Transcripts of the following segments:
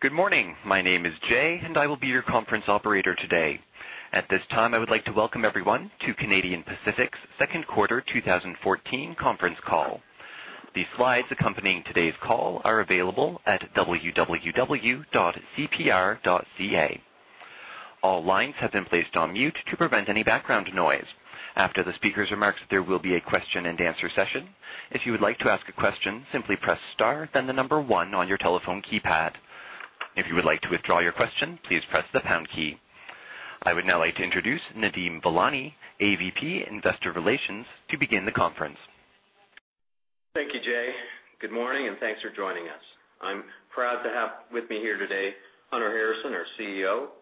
Good morning. My name is Jay, and I will be your conference operator today. At this time, I would like to welcome everyone to Canadian Pacific's second quarter 2014 conference call. The slides accompanying today's call are available at www.cpr.ca. All lines have been placed on mute to prevent any background noise. After the speaker's remarks, there will be a question-and-answer session. If you would like to ask a question, simply press star, then the number one on your telephone keypad. If you would like to withdraw your question, please press the pound key. I would now like to introduce Nadeem Velani, AVP Investor Relations, to begin the conference. Thank you, Jay. Good morning, and thanks for joining us. I'm proud to have with me here today Hunter Harrison, our CEO;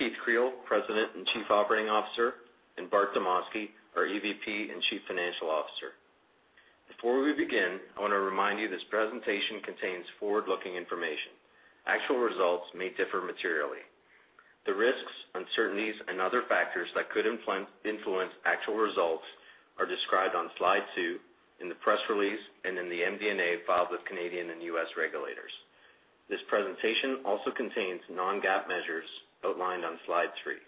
Keith Creel, President and Chief Operating Officer; and Bart Demosky, our EVP and Chief Financial Officer. Before we begin, I want to remind you this presentation contains forward-looking information. Actual results may differ materially. The risks, uncertainties, and other factors that could influence actual results are described on slide two in the press release and in the MD&A filed with Canadian and US regulators. This presentation also contains non-GAAP measures outlined on slide three.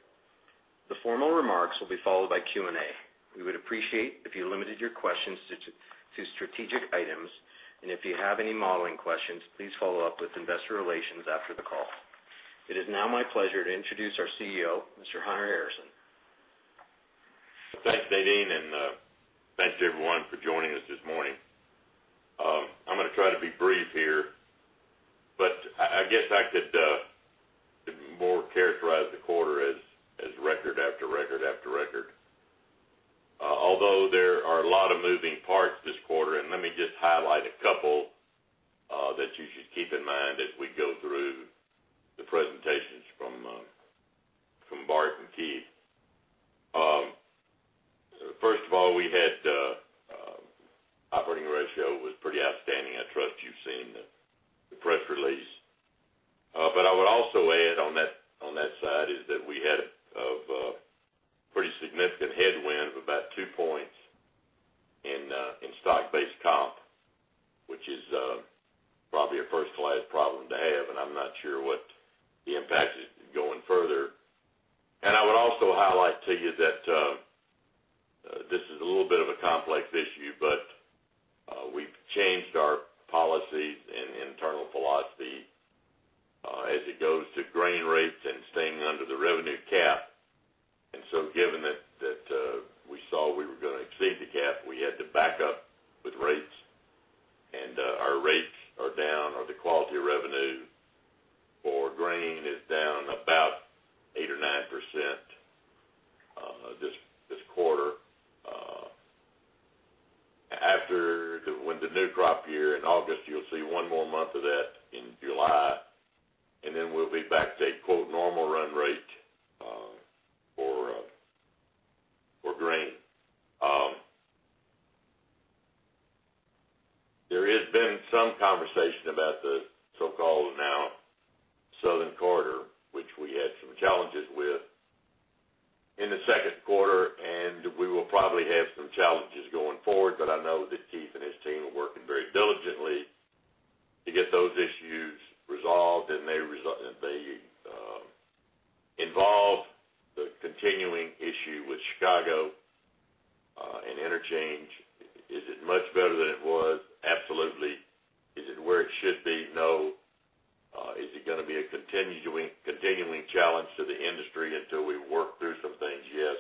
The formal remarks will be followed by Q&A. We would appreciate if you limited your questions to strategic items, and if you have any modeling questions, please follow up with Investor Relations after the call. It is now my pleasure to introduce our CEO, Mr. Hunter Harrison. Thanks, Nadeem, and thanks to everyone for joining us this morning. I'm going to try to be brief here, but I guess I could more characterize the quarter as record after record after record. Although there are a lot of moving parts this quarter, and let me just highlight a couple that you should keep in mind as we go through the presentations from Bart and Keith. First of all, we had operating ratio was pretty outstanding. I trust you've seen the press release. But I would also add on that side is that we had a pretty significant headwind of about 2 points in stock-based comp, which is probably a first-class problem to have, and I'm not sure what the impact is going further. I would also highlight to you that this is a little bit of a complex issue, but we've changed our policy and internal philosophy as it goes to grain rates and staying under the revenue cap. So given that we saw we were going to exceed the cap, we had to back up with rates. Our rates are down, or the quality of revenue for grain is down about 8%-9% this quarter. When the new crop year in August, you'll see one more month of that in July, and then we'll be back to a "normal run rate" for grain. There has been some conversation about the so-called now Southern Corridor, which we had some challenges with in the second quarter, and we will probably have some challenges going forward. But I know that Keith and his team are working very diligently to get those issues resolved, and they involve the continuing issue with Chicago and interchange. Is it much better than it was? Absolutely. Is it where it should be? No. Is it going to be a continuing challenge to the industry until we work through some things? Yes.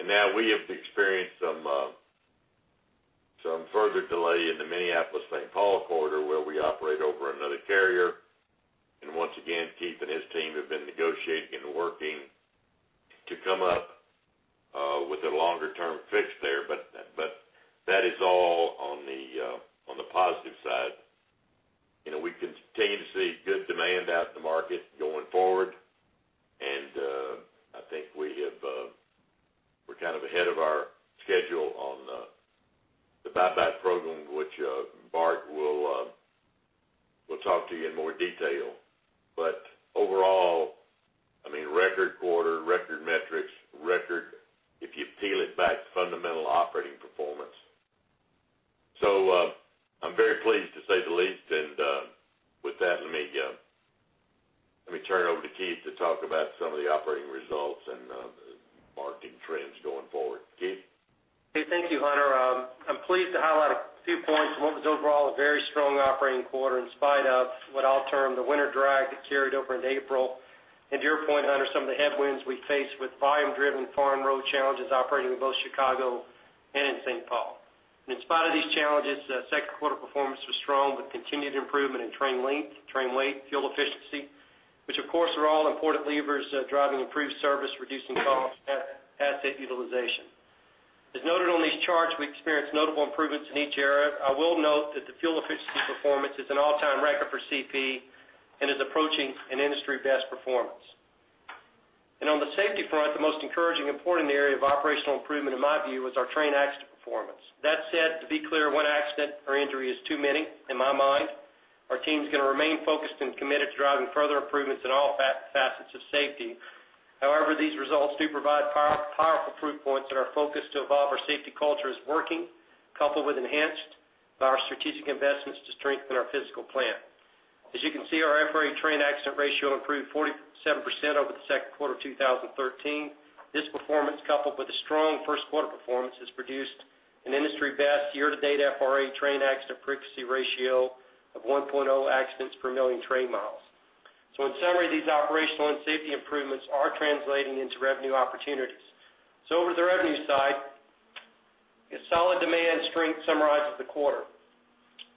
And now we have experienced some further delay in the Minneapolis-St. Paul corridor, where we operate over another carrier. And once again, Keith and his team have been negotiating and working to come up with a longer-term fix there, but that is all on the positive side. We continue to see good demand out in the market going forward, and I think we're kind of ahead of our schedule on the Buyback Program, which Bart will talk to you in more detail. Overall, I mean, record quarter, record metrics, record if you peel it back, fundamental operating performance. So I'm very pleased to say the least, and with that, let me turn over to Keith to talk about some of the operating results and marketing trends going forward. Keith? Hey, thank you, Hunter. I'm pleased to highlight a few points and what was overall a very strong operating quarter in spite of what I'll term the winter drag that carried over into April. To your point, Hunter, some of the headwinds we faced with volume-driven foreign road challenges operating in both Chicago and in St. Paul. In spite of these challenges, second quarter performance was strong with continued improvement in train length, train weight, fuel efficiency, which of course are all important levers driving improved service, reducing costs, and asset utilization. As noted on these charts, we experienced notable improvements in each area. I will note that the fuel efficiency performance is an all-time record for CP and is approaching an industry-best performance. On the safety front, the most encouraging and important area of operational improvement, in my view, was our train accident performance. That said, to be clear, one accident or injury is too many in my mind. Our team's going to remain focused and committed to driving further improvements in all facets of safety. However, these results do provide powerful proof points that our focus to evolve our safety culture is working, coupled with enhanced by our strategic investments to strengthen our physical plant. As you can see, our FRA train accident ratio improved 47% over the second quarter of 2013. This performance, coupled with a strong first quarter performance, has produced an industry-best year-to-date FRA train accident frequency ratio of 1.0 accidents per million train miles. In summary, these operational and safety improvements are translating into revenue opportunities. Over to the revenue side, a solid demand strength summarizes the quarter.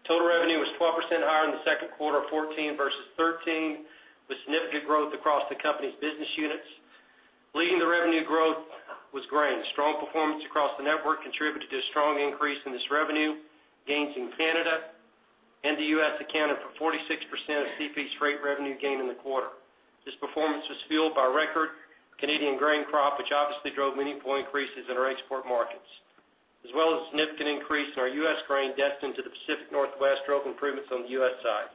Total revenue was 12% higher in the second quarter of 2014 versus 2013 with significant growth across the company's business units. Leading the revenue growth was grain. Strong performance across the network contributed to a strong increase in this revenue. Gains in Canada and the U.S. accounted for 46% of CP's freight revenue gain in the quarter. This performance was fueled by record Canadian grain crop, which obviously drove meaningful increases in our export markets, as well as a significant increase in our U.S. grain destined to the Pacific Northwest drove improvements on the U.S. side.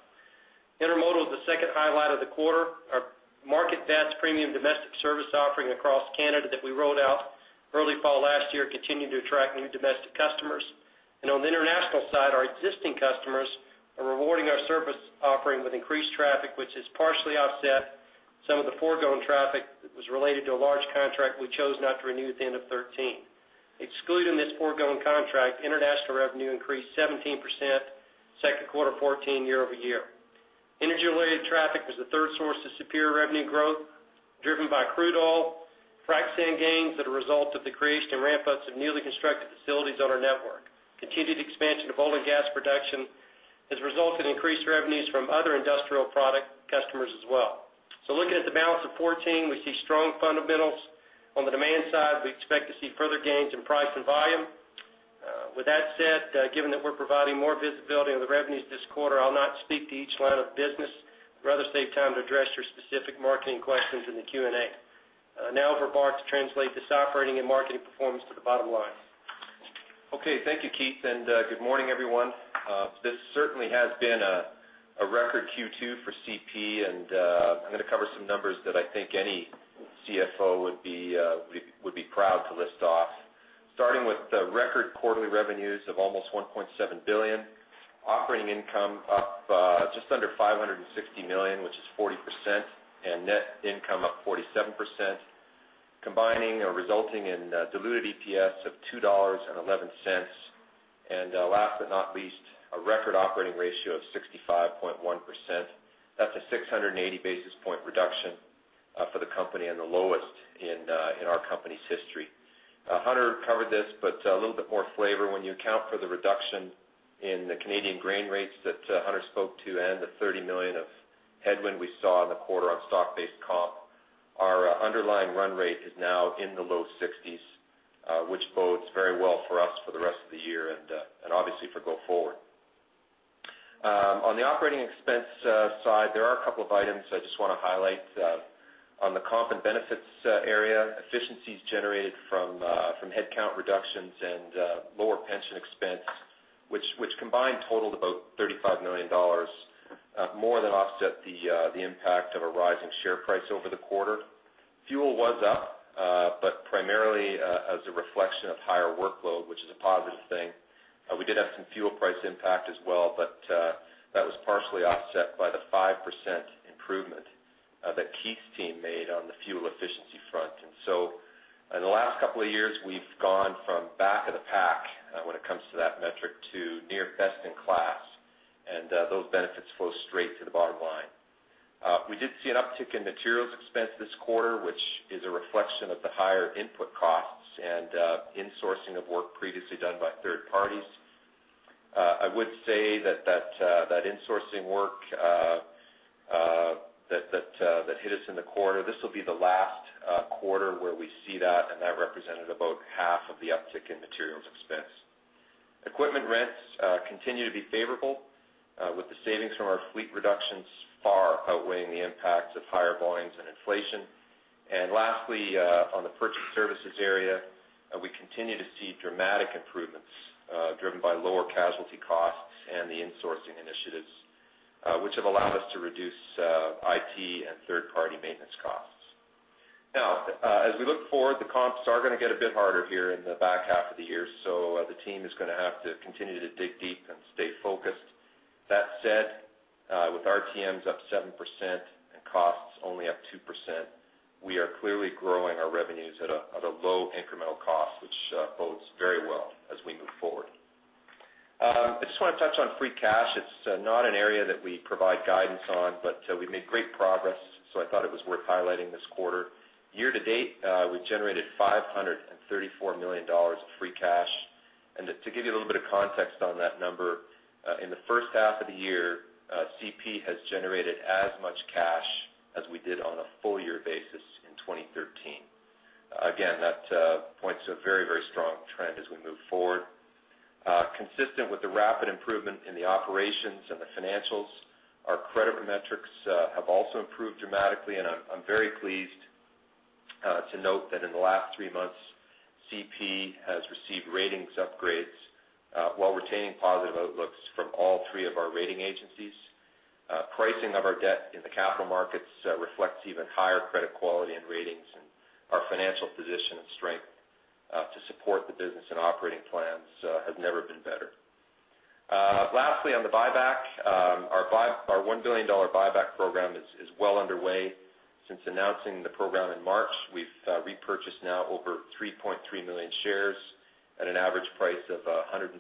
Intermodal is the second highlight of the quarter. Our market-best premium domestic service offering across Canada that we rolled out early fall last year continued to attract new domestic customers. On the international side, our existing customers are rewarding our service offering with increased traffic, which has partially offset some of the foregone traffic that was related to a large contract we chose not to renew at the end of 2013. Excluding this foregone contract, international revenue increased 17% second quarter 2014 year-over-year. Energy-related traffic was the third source of superior revenue growth driven by crude oil, frac sand gains that are a result of the creation and ramp-ups of newly constructed facilities on our network. Continued expansion of oil and gas production has resulted in increased revenues from other industrial product customers as well. Looking at the balance of 2014, we see strong fundamentals. On the demand side, we expect to see further gains in price and volume. With that said, given that we're providing more visibility on the revenues this quarter, I'll not speak to each line of business. I'd rather save time to address your specific marketing questions in the Q&A. Now for Bart to translate this operating and marketing performance to the bottom line. Okay, thank you, Keith, and good morning, everyone. This certainly has been a record Q2 for CP, and I'm going to cover some numbers that I think any CFO would be proud to list off. Starting with the record quarterly revenues of almost $1.7 billion, operating income up just under $560 million, which is 40%, and net income up 47%, combining or resulting in diluted EPS of $2.11. And last but not least, a record operating ratio of 65.1%. That's a 680 basis point reduction for the company and the lowest in our company's history. Hunter covered this, but a little bit more flavor. When you account for the reduction in the Canadian grain rates that Hunter spoke to and the $30 million of headwind we saw in the quarter on stock-based comp, our underlying run rate is now in the low 60s, which bodes very well for us for the rest of the year and obviously for go forward. On the operating expense side, there are a couple of items I just want to highlight. On the comp and benefits area, efficiencies generated from headcount reductions and lower pension expense, which combined totaled about $35 million, more than offset the impact of a rising share price over the quarter. Fuel was up, but primarily as a reflection of higher workload, which is a positive thing. We did have some fuel price impact as well, but that was partially offset by the 5% improvement that Keith's team made on the fuel efficiency front. And so in the last couple of years, we've gone from back of the pack when it comes to that metric to near best in class, and those benefits flow straight to the bottom line. We did see an uptick in materials expense this quarter, which is a reflection of the higher input costs and insourcing of work previously done by third parties. I would say that that insourcing work that hit us in the quarter, this will be the last quarter where we see that, and that represented about half of the uptick in materials expense. Equipment rents continue to be favorable, with the savings from our fleet reductions far outweighing the impacts of higher volumes and inflation. Lastly, on the purchased services area, we continue to see dramatic improvements driven by lower casualty costs and the insourcing initiatives, which have allowed us to reduce IT and third-party maintenance costs. Now, as we look forward, the comps are going to get a bit harder here in the back half of the year, so the team is going to have to continue to dig deep and stay focused. That said, with RTMs up 7% and costs only up 2%, we are clearly growing our revenues at a low incremental cost, which bodes very well as we move forward. I just want to touch on free cash. It's not an area that we provide guidance on, but we've made great progress, so I thought it was worth highlighting this quarter. Year to date, we've generated $534 million of free cash. To give you a little bit of context on that number, in the first half of the year, CP has generated as much cash as we did on a full-year basis in 2013. Again, that points to a very, very strong trend as we move forward. Consistent with the rapid improvement in the operations and the financials, our credit metrics have also improved dramatically, and I'm very pleased to note that in the last 3 months, CP has received ratings upgrades while retaining positive outlooks from all 3 of our rating agencies. Pricing of our debt in the capital markets reflects even higher credit quality and ratings, and our financial position and strength to support the business and operating plans has never been better. Lastly, on the buyback, our $1 billion Buyback Program is well underway. Since announcing the program in March, we've repurchased now over 3.3 million shares at an average price of $172.90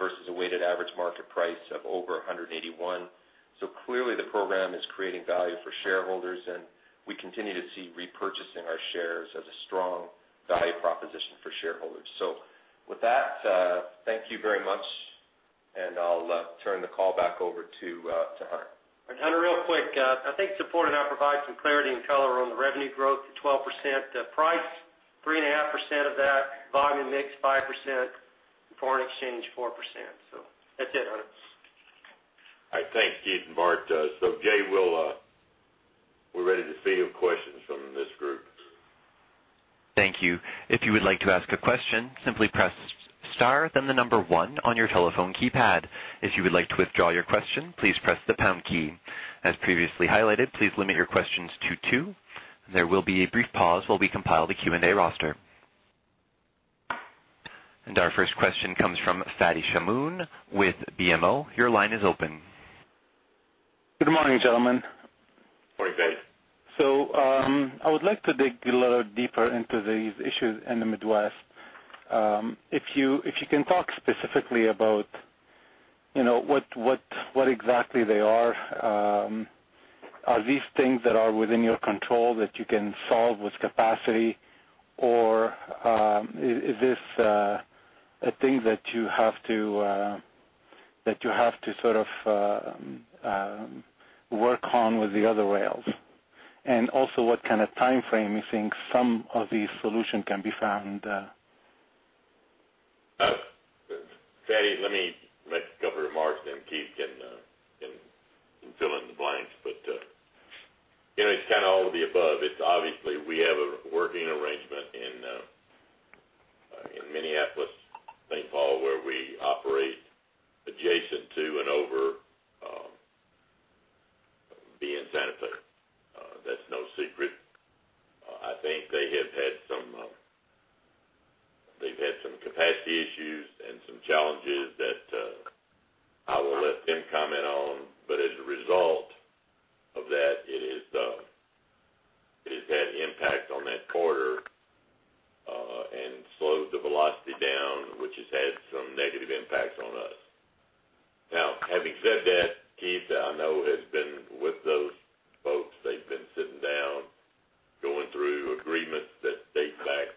versus a weighted average market price of over $181. So clearly, the program is creating value for shareholders, and we continue to see repurchasing our shares as a strong value proposition for shareholders. So with that, thank you very much, and I'll turn the call back over to Hunter. Hunter, real quick, I think support and I'll provide some clarity and color on the revenue growth to 12% price, 3.5% of that, volume mix 5%, and foreign exchange 4%. That's it, Hunter. All right, thanks, Keith and Bart. So Jay, we're ready to see your questions from this group. Thank you. If you would like to ask a question, simply press star, then the number one on your telephone keypad. If you would like to withdraw your question, please press the pound key. As previously highlighted, please limit your questions to two. There will be a brief pause while we compile the Q&A roster. Our first question comes from Fadi Chamoun with BMO. Your line is open. Good morning, gentlemen. Morning, Fadi. I would like to dig a little deeper into these issues in the Midwest. If you can talk specifically about what exactly they are, are these things that are within your control that you can solve with capacity, or is this a thing that you have to sort of work on with the other rails? And also, what kind of time frame you think some of these solutions can be found? Fadi, let me cover Mark, then Keith can fill in the blanks. But it's kind of all of the above. It's obviously we have a working arrangement in Minneapolis, St. Paul, where we operate adjacent to and over BNSF. That's no secret. I think they have had some capacity issues and some challenges that I will let them comment on, but as a result of that, it has had impact on that quarter and slowed the velocity down, which has had some negative impacts on us. Now, having said that, Keith, I know has been with those folks. They've been sitting down, going through agreements that date back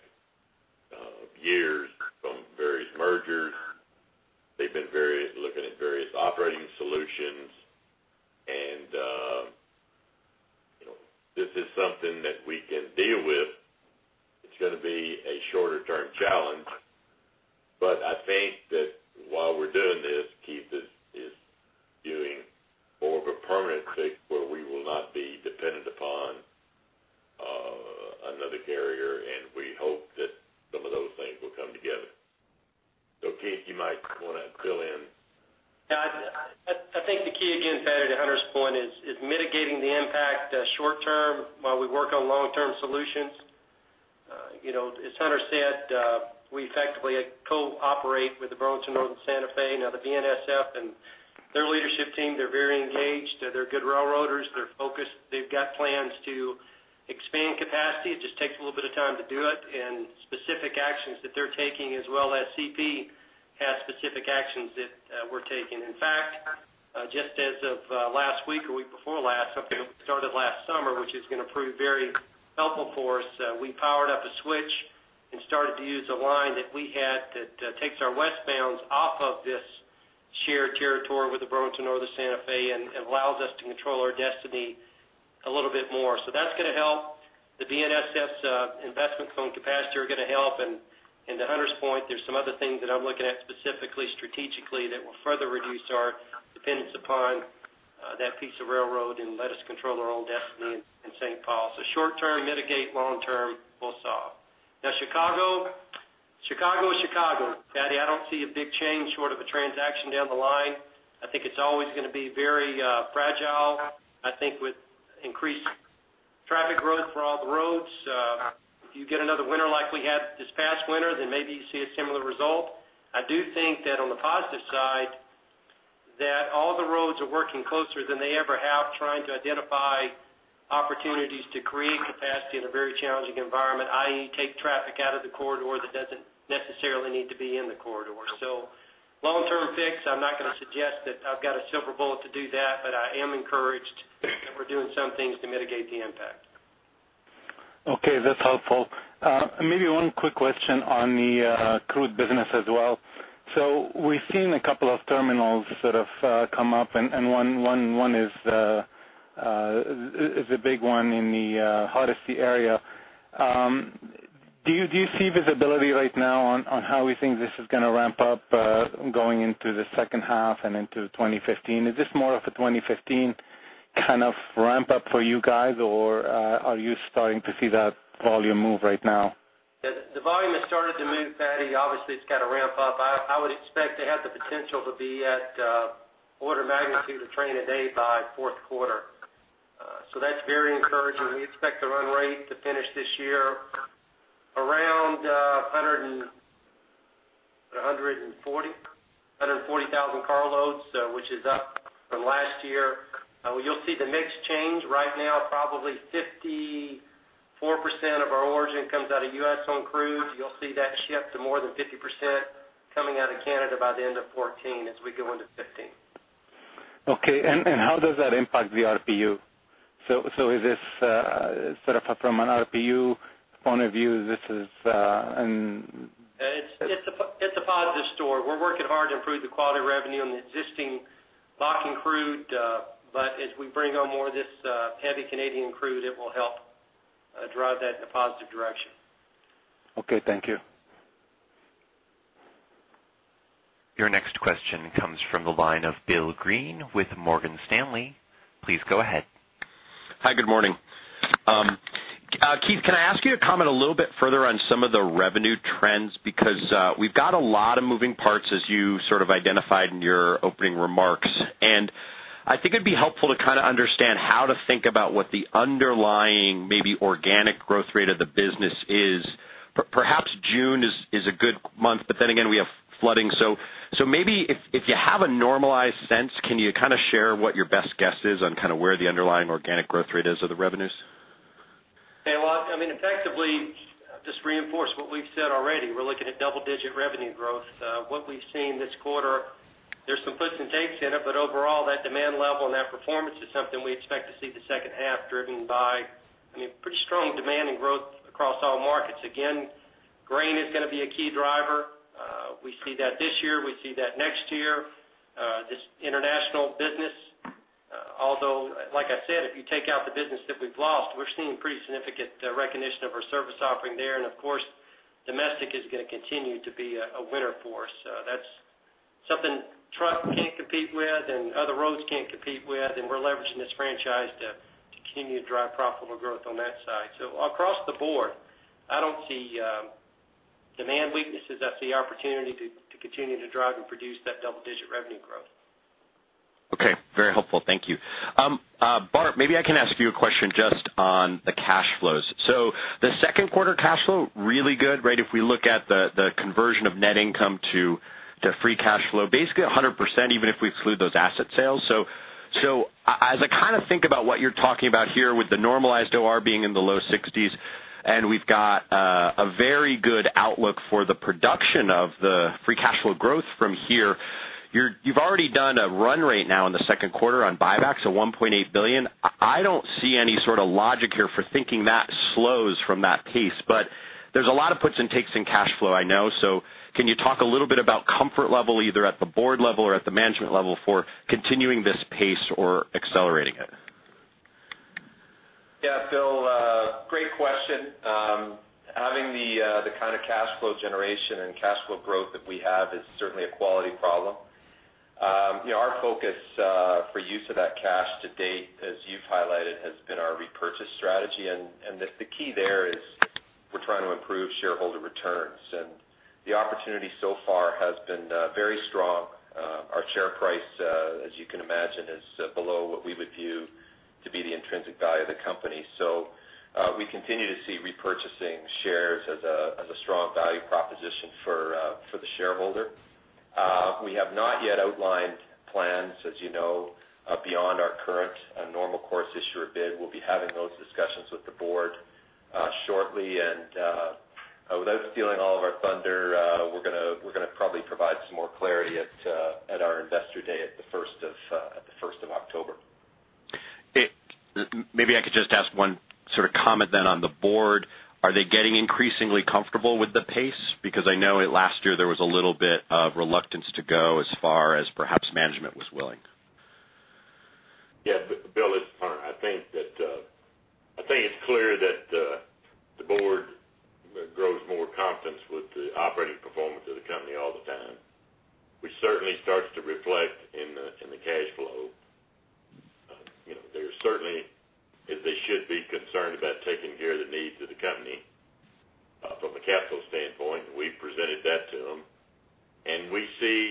years from various mergers. They've been looking at various operating solutions, and this is something that we can deal with. It's going to be a shorter-term challenge, but I think that while we're doing this, Keith is viewing more of a permanent fix where we will not be dependent upon another carrier, and we hope that some of those things will come together. So Keith, you might want to fill in. Yeah, I think the key, again, Fadi, to Hunter's point, is mitigating the impact short-term while we work on long-term solutions. As Hunter said, we effectively cooperate with the Burlington Northern Santa Fe. Now, the BNSF and their leadership team, they're very engaged. They're good railroaders. They're focused. They've got plans to expand capacity. It just takes a little bit of time to do it. And specific actions that they're taking, as well as CP has specific actions that we're taking. In fact, just as of last week or week before last, something that we started last summer, which is going to prove very helpful for us, we powered up a switch and started to use a line that we had that takes our westbounds off of this shared territory with the Burlington Northern Santa Fe and allows us to control our destiny a little bit more. So that's going to help. The BNSF's investment-funded capacity are going to help, and to Hunter's point, there's some other things that I'm looking at specifically, strategically, that will further reduce our dependence upon that piece of railroad and let us control our own destiny in St. Paul. So short-term, mitigate; long-term, we'll solve. Now, Chicago is Chicago. Fadi, I don't see a big change short of a transaction down the line. I think it's always going to be very fragile. I think with increased traffic growth for all the roads, if you get another winter like we had this past winter, then maybe you see a similar result. I do think that on the positive side, that all the roads are working closer than they ever have, trying to identify opportunities to create capacity in a very challenging environment, i.e., take traffic out of the corridor that doesn't necessarily need to be in the corridor. So long-term fix, I'm not going to suggest that I've got a silver bullet to do that, but I am encouraged that we're doing some things to mitigate the impact. Okay, that's helpful. Maybe one quick question on the crude business as well. So we've seen a couple of terminals sort of come up, and one is a big one in the Hardisty area. Do you see visibility right now on how we think this is going to ramp up going into the second half and into 2015? Is this more of a 2015 kind of ramp-up for you guys, or are you starting to see that volume move right now? The volume has started to move, Fadi. Obviously, it's got to ramp up. I would expect to have the potential to be at order magnitude of train a day by fourth quarter. So that's very encouraging. We expect the run rate to finish this year around 140,000 carloads, which is up from last year. You'll see the mix change. Right now, probably 54% of our origin comes out of U.S.-owned crude. You'll see that shift to more than 50% coming out of Canada by the end of 2014 as we go into 2015. Okay, and how does that impact the RPU? So is this sort of from an RPU point of view, this is an. It's a positive story. We're working hard to improve the quality of revenue on the existing Bakken crude, but as we bring on more of this heavy Canadian crude, it will help drive that in a positive direction. Okay, thank you. Your next question comes from the line of Bill Greene with Morgan Stanley. Please go ahead. Hi, good morning. Keith, can I ask you to comment a little bit further on some of the revenue trends? Because we've got a lot of moving parts, as you sort of identified in your opening remarks, and I think it'd be helpful to kind of understand how to think about what the underlying, maybe, organic growth rate of the business is. Perhaps June is a good month, but then again, we have flooding. So maybe if you have a normalized sense, can you kind of share what your best guess is on kind of where the underlying organic growth rate is of the revenues? Yeah, well, I mean, effectively, just reinforce what we've said already. We're looking at double-digit revenue growth. What we've seen this quarter, there's some puts and takes in it, but overall, that demand level and that performance is something we expect to see the second half driven by, I mean, pretty strong demand and growth across all markets. Again, grain is going to be a key driver. We see that this year. We see that next year. This international business, although, like I said, if you take out the business that we've lost, we're seeing pretty significant recognition of our service offering there, and of course, domestic is going to continue to be a winner for us. That's something truck can't compete with and other roads can't compete with, and we're leveraging this franchise to continue to drive profitable growth on that side. So across the board, I don't see demand weaknesses. I see opportunity to continue to drive and produce that double-digit revenue growth. Okay, very helpful. Thank you. Bart, maybe I can ask you a question just on the cash flows. So the second quarter cash flow, really good, right? If we look at the conversion of net income to free cash flow, basically 100%, even if we exclude those asset sales. So as I kind of think about what you're talking about here with the normalized OR being in the low 60s and we've got a very good outlook for the production of the free cash flow growth from here, you've already done a run rate now in the second quarter on buybacks of $1.8 billion. I don't see any sort of logic here for thinking that slows from that pace, but there's a lot of puts and takes in cash flow, I know. Can you talk a little bit about comfort level, either at the board level or at the management level, for continuing this pace or accelerating it? Yeah, Bill, great question. Having the kind of cash flow generation and cash flow growth that we have is certainly a quality problem. Our focus for use of that cash to date, as you've highlighted, has been our repurchase strategy, and the key there is we're trying to improve shareholder returns. And the opportunity so far has been very strong. Our share price, as you can imagine, is below what we would view to be the intrinsic value of the company. So we continue to see repurchasing shares as a strong value proposition for the shareholder. We have not yet outlined plans, as you know, beyond our current Normal Course Issuer Bid. We'll be having those discussions with the board shortly, and without stealing all of our thunder, we're going to probably provide some more clarity at our Investor Day at the 1st of October. Maybe I could just ask one sort of comment then on the board. Are they getting increasingly comfortable with the pace? Because I know last year there was a little bit of reluctance to go as far as perhaps management was willing. Yeah, Bill is fine. I think it's clear that the board grows more confidence with the operating performance of the company all the time, which certainly starts to reflect in the cash flow. They're certainly, as they should be, concerned about taking care of the needs of the company from a capital standpoint, and we've presented that to them. And we see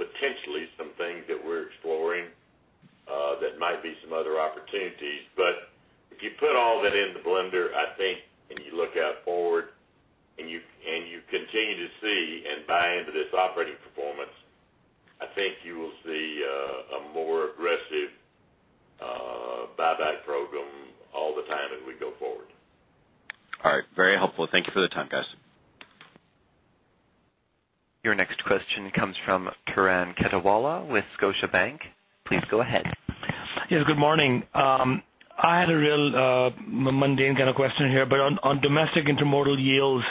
potentially some things that we're exploring that might be some other opportunities, but if you put all that in the blender, I think, and you look out forward and you continue to see and buy into this operating performance, I think you will see a more aggressive Buyback Program all the time as we go forward. All right, very helpful. Thank you for the time, guys. Your next question comes from Turan Quettawala with Scotiabank. Please go ahead. Yeah, good morning. I had a real mundane kind of question here, but on domestic intermodal yields,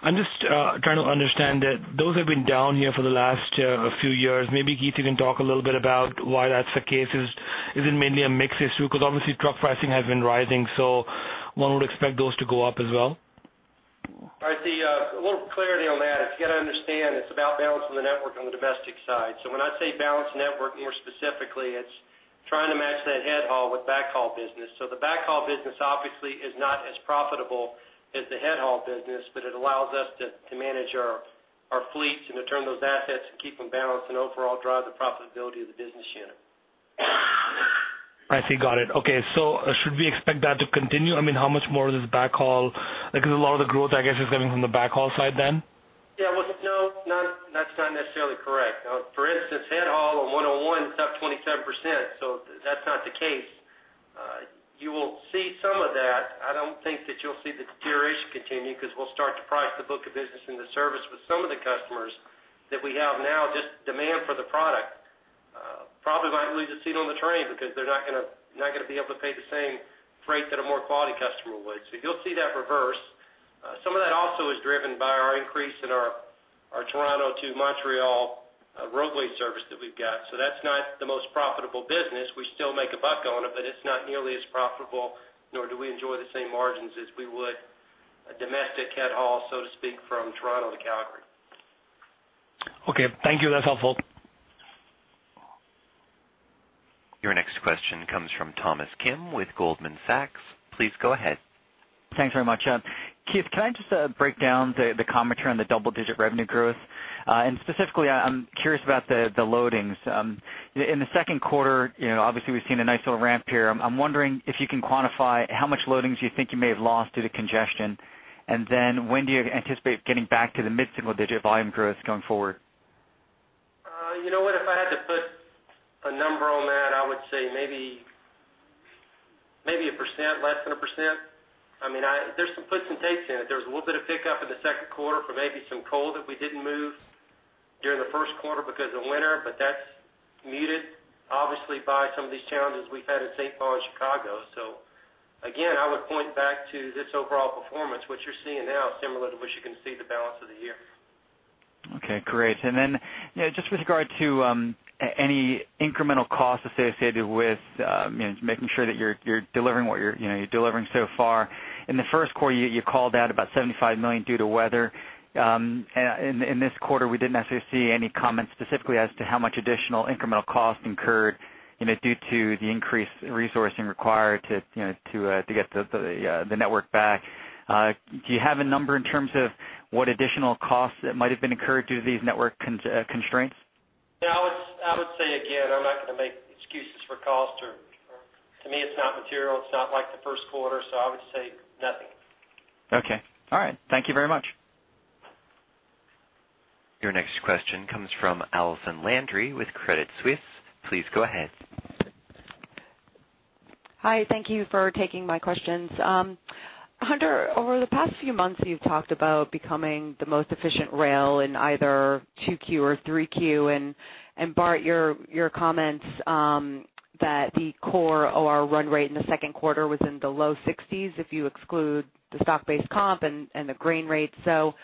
I'm just trying to understand that those have been down here for the last few years. Maybe, Keith, you can talk a little bit about why that's the case. Is it mainly a mix issue? Because obviously, truck pricing has been rising, so one would expect those to go up as well. Fadi, a little clarity on that. You've got to understand it's about balancing the network on the domestic side. So when I say balance network, more specifically, it's trying to match that headhaul with backhaul business. So the backhaul business, obviously, is not as profitable as the headhaul business, but it allows us to manage our fleets and to turn those assets and keep them balanced and overall drive the profitability of the business unit. I see, got it. Okay, so should we expect that to continue? I mean, how much more of this backhaul because a lot of the growth, I guess, is coming from the backhaul side then? Yeah, well, no, that's not necessarily correct. For instance, headhaul on 101 is up 27%, so that's not the case. You will see some of that. I don't think that you'll see the deterioration continue because we'll start to price the book of business and the service with some of the customers that we have now. Just demand for the product probably might lose a seat on the train because they're not going to be able to pay the same freight that a more quality customer would. So you'll see that reverse. Some of that also is driven by our increase in our Toronto to Montreal railway service that we've got. So that's not the most profitable business. We still make a buck on it, but it's not nearly as profitable, nor do we enjoy the same margins as we would domestic headhaul, so to speak, from Toronto to Calgary. Okay, thank you. That's helpful. Your next question comes from Thomas Kim with Goldman Sachs. Please go ahead. Thanks very much. Keith, can I just break down the commentary on the double-digit revenue growth? And specifically, I'm curious about the loadings. In the second quarter, obviously, we've seen a nice little ramp here. I'm wondering if you can quantify how much loadings you think you may have lost due to congestion, and then when do you anticipate getting back to the mid-single-digit volume growth going forward? You know what? If I had to put a number on that, I would say maybe 1%, less than 1%. I mean, there's some puts and takes in it. There was a little bit of pickup in the second quarter for maybe some coal that we didn't move during the first quarter because of winter, but that's muted, obviously, by some of these challenges we've had in St. Paul and Chicago. So again, I would point back to this overall performance, what you're seeing now, similar to what you can see the balance of the year. Okay, great. And then just with regard to any incremental costs associated with making sure that you're delivering what you're delivering so far, in the first quarter, you called out about $75 million due to weather. In this quarter, we didn't necessarily see any comments specifically as to how much additional incremental cost incurred due to the increased resourcing required to get the network back. Do you have a number in terms of what additional costs that might have been incurred due to these network constraints? Yeah, I would say again, I'm not going to make excuses for cost. To me, it's not material. It's not like the first quarter, so I would say nothing. Okay. All right, thank you very much. Your next question comes from Allison Landry with Credit Suisse. Please go ahead. Hi, thank you for taking my questions. Hunter, over the past few months, you've talked about becoming the most efficient rail in either 2Q or 3Q, and Bart, your comments that the core OR run rate in the second quarter was in the low 60s if you exclude the stock-based comp and the grain rate. So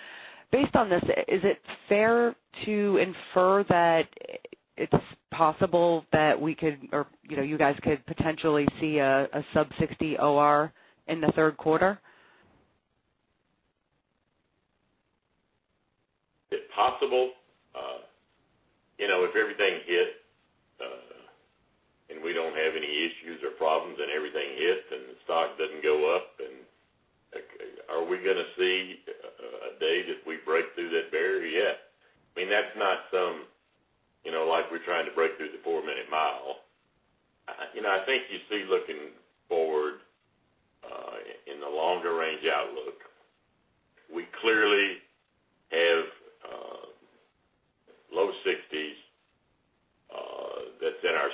based on this, is it fair to infer that it's possible that we could or you guys could potentially see a sub-60 OR in the third quarter? Is it possible? If everything hit and we don't have any issues or problems and everything hit and the stock doesn't go up, are we going to see a day that we break through that barrier? Yeah. I mean, that's not some like we're trying to break through the four-minute mile. I think you see looking forward in the longer-range outlook, we clearly have low 60s that's in our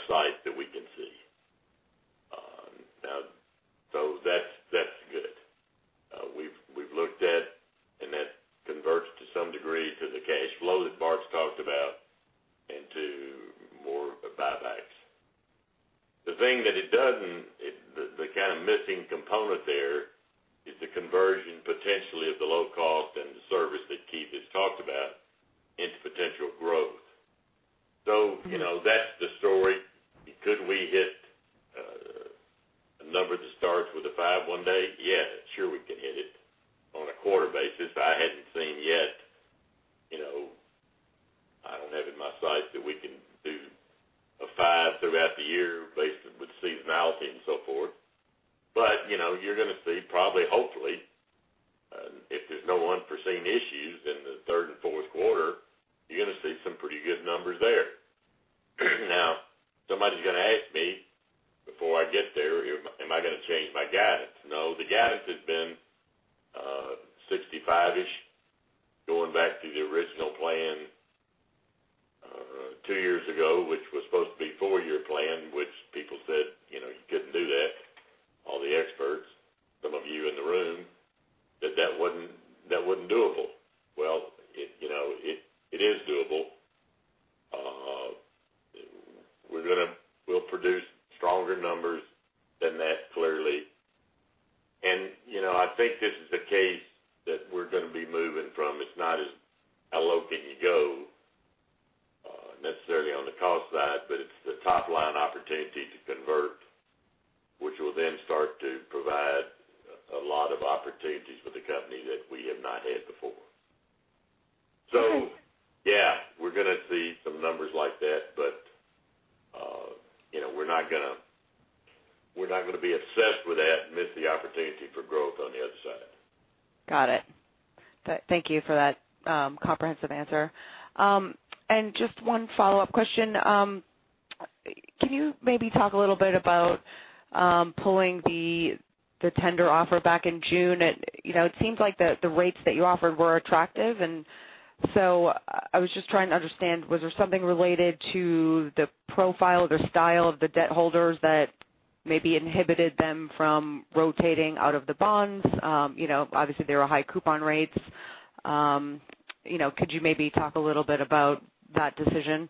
Could you maybe talk a little bit about that decision?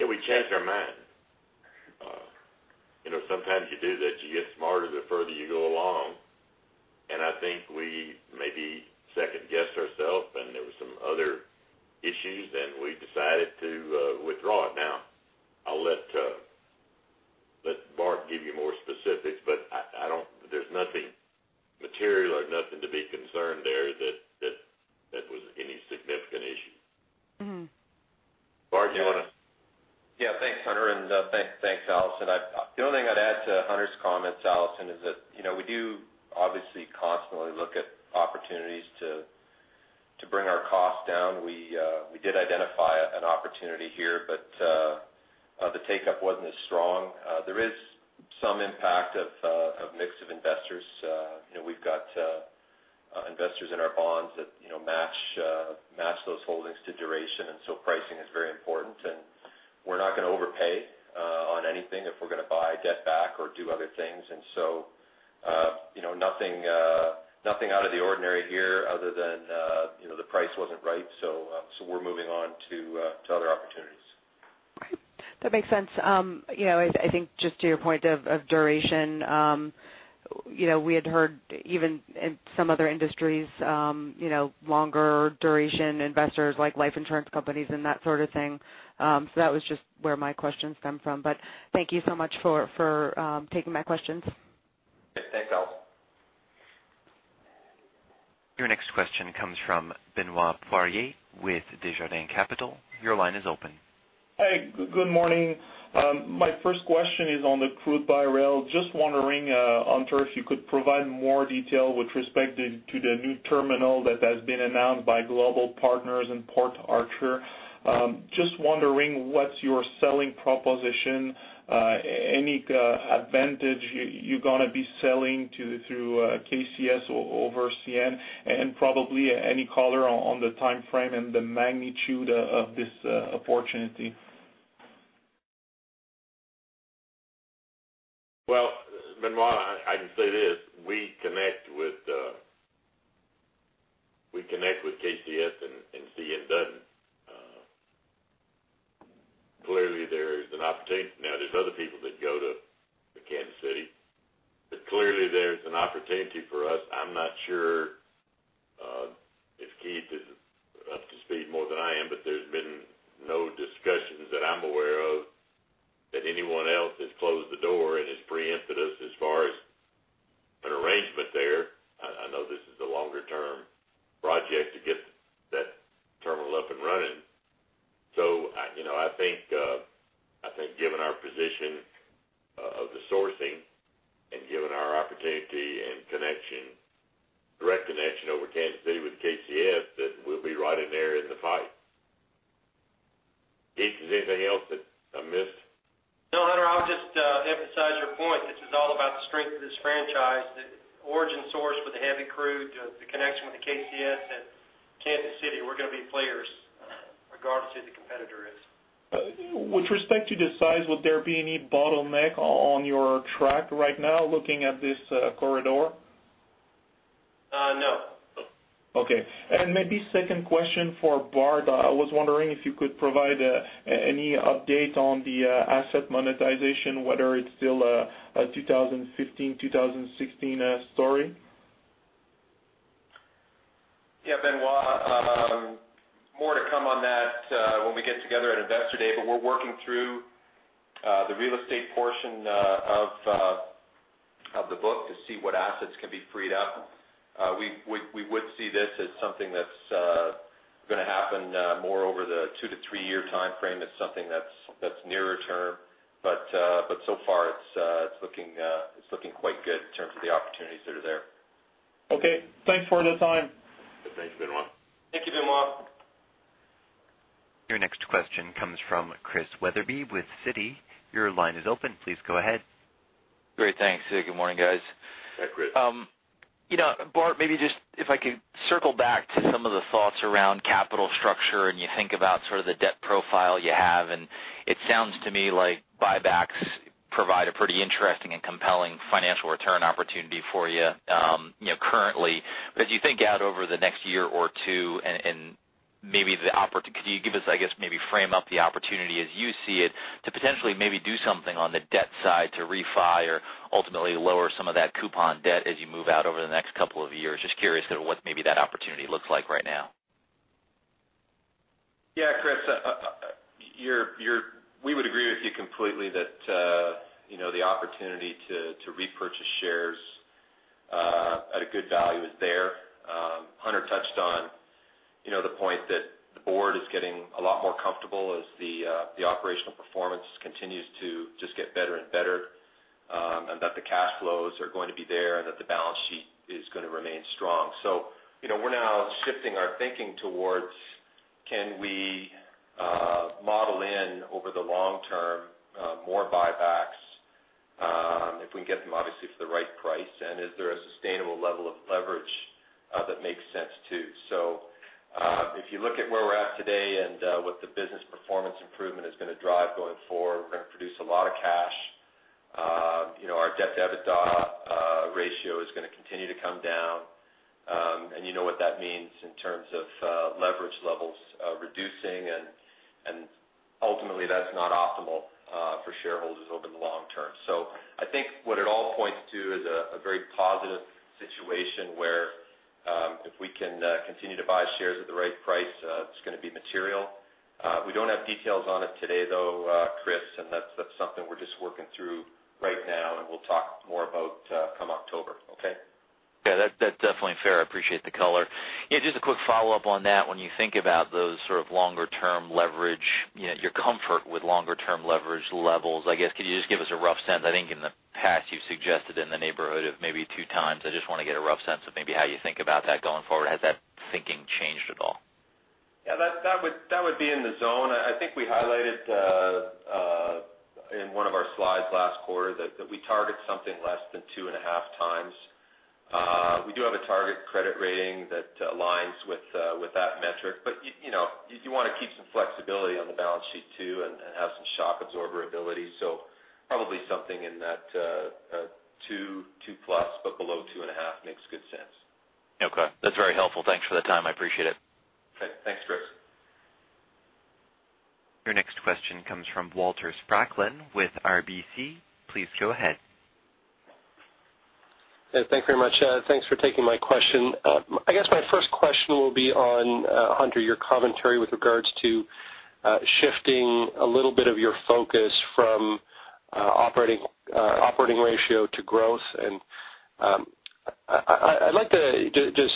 Yeah, we changed our mind. Sometimes you do that. You get smarter the further you go along, and I think we maybe second-guessed ourselves, and there were some other issues, and we decided to withdraw it. Now, I'll let Bart give you more specifics, but there's nothing material or nothing to be concerned there that was any significant issue. Bart, do you want to? Yeah, thanks, Hunter, and thanks, Allison. The only thing I'd add to Hunter's comments, Allison, is that we do obviously constantly look at opportunities to bring our costs down. We did identify an opportunity here, but the uptake wasn't as strong. There is some impact of mix of investors. We've got investors in our bonds that match those holdings to duration, and so pricing is very important, and we're not going to overpay on anything if we're going to buy debt back or do other things. And so nothing out of the ordinary here other than the price wasn't right, so we're moving on to other opportunities. Right. That makes sense. I think just to your point of duration, we had heard even in some other industries, longer-duration investors like life insurance companies and that sort of thing. So that was just where my questions stemmed from, but thank you so much for taking my questions. Okay, thanks, Allison. Your next question comes from Benoit Poirier with Desjardins Capital Markets. Your line is open. Hey, good morning. My first question is on the crude by rail. Just wondering, Hunter, if you could provide more detail with respect to the new terminal that has been announced by Global Partners and Port Arthur. Just wondering, what's your selling proposition? Any advantage you're going to be selling through KCS over CN and probably any color on the time frame and the magnitude of this opportunity? Well, Benoit, I can say this. We connect with KCS and CN doesn't. Clearly, there's an opportunity. Now, there's other people that go to Kansas City, but clearly, there's an opportunity for us. I'm not sure if Keith is up to speed more than I am, but there's been no discussions that I'm aware of that anyone else has closed the door and has preempted us as far as an arrangement there. I know this is a longer-term project to get that terminal up and running, so I think given our position of the sourcing and given our opportunity and direct connection over Kansas City with KCS, that we'll be right in there in the fight. Keith, is there anything else that I missed? No, Hunter. I would just emphasize your point. This is all about the strength of this franchise, the origin source with the heavy crude, the connection with the KCS, and Kansas City. We're going to be players regardless who the competitor is. With respect to the size, would there be any bottleneck on your track right now looking at this corridor? No. Okay. And maybe second question for Bart. I was wondering if you could provide any update on the asset monetization, whether it's still a 2015, 2016 story? Yeah, Benoit, more to come on that when we get together at Investor Day, but we're working through the real estate portion of the book to see what assets can be freed up. We would see this as something that's going to happen more over the 2-3-year time frame. It's something that's nearer term, but so far, it's looking quite good in terms of the opportunities that are there. Okay. Thanks for the time. Thanks, Benoit. Thank you, Benoit. Your next question comes from Christian Wetherbee with Citi. Your line is open. Please go ahead. Great. Thanks. Hey. Good morning, guys. Hi, Chris. Bart, maybe just if I could circle back to some of the thoughts around capital structure and you think about sort of the debt profile you have, and it sounds to me like buybacks provide a pretty interesting and compelling financial return opportunity for you currently. But as you think out over the next year or two and maybe the could you give us, I guess, maybe frame up the opportunity as you see it to potentially maybe do something on the debt side to refi or ultimately lower some of that coupon debt as you move out over the next couple of years? Just curious sort of what maybe that opportunity looks like right now. Yeah, Chris, we would agree with you completely that the opportunity to repurchase shares at a good value is there. Hunter touched on the point that the board is getting a lot more comfortable as the operational performance continues to just get better and better and that the cash flows are going to be there and that the balance sheet is going to remain strong. So we're now shifting our thinking towards, can we model in over the long term more buybacks if we can get them, obviously, for the right price, and is there a sustainable level of leverage that makes sense too? So if you look at where we're at today and what the business performance improvement is going to drive going forward, we're going to produce a lot of cash. Our debt-to-EBIT ratio is going to continue to come down, and you know what that means in terms of leverage levels reducing, and ultimately, that's not optimal for shareholders over the long term. So I think what it all points to is a very positive situation where if we can continue to buy shares at the right price, it's going to be material. We don't have details on it today, though, Chris, and that's something we're just working through right now, and we'll talk more about come October, okay? Yeah, that's definitely fair. I appreciate the color. Yeah, just a quick follow-up on that. When you think about those sort of longer-term leverage, your comfort with longer-term leverage levels, I guess, could you just give us a rough sense? I think in the past, you've suggested in the neighborhood of maybe 2x. I just want to get a rough sense of maybe how you think about that going forward. Has that thinking changed at all? Yeah, that would be in the zone. I think we highlighted in one of our slides last quarter that we target something less than 2.5 times. We do have a target credit rating that aligns with that metric, but you want to keep some flexibility on the balance sheet too and have some shock absorber ability. So probably something in that 2+ but below 2.5 makes good sense. Okay. That's very helpful. Thanks for the time. I appreciate it. Okay. Thanks, Chris. Your next question comes from Walter Spracklin with RBC. Please go ahead. Hey, thanks very much. Thanks for taking my question. I guess my first question will be on, Hunter, your commentary with regards to shifting a little bit of your focus from operating ratio to growth. I'd like to just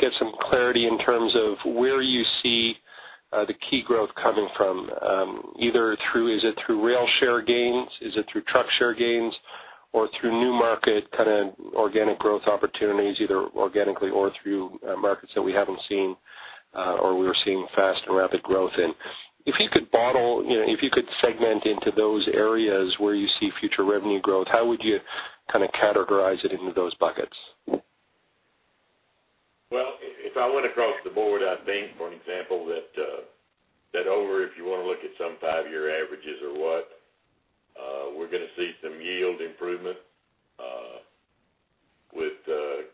get some clarity in terms of where you see the key growth coming from, either through is it through rail share gains? Is it through truck share gains or through new market kind of organic growth opportunities, either organically or through markets that we haven't seen or we were seeing fast and rapid growth in? If you could bottle if you could segment into those areas where you see future revenue growth, how would you kind of categorize it into those buckets? Well, if I went across the board, I think, for an example, that over if you want to look at some five-year averages or what, we're going to see some yield improvement with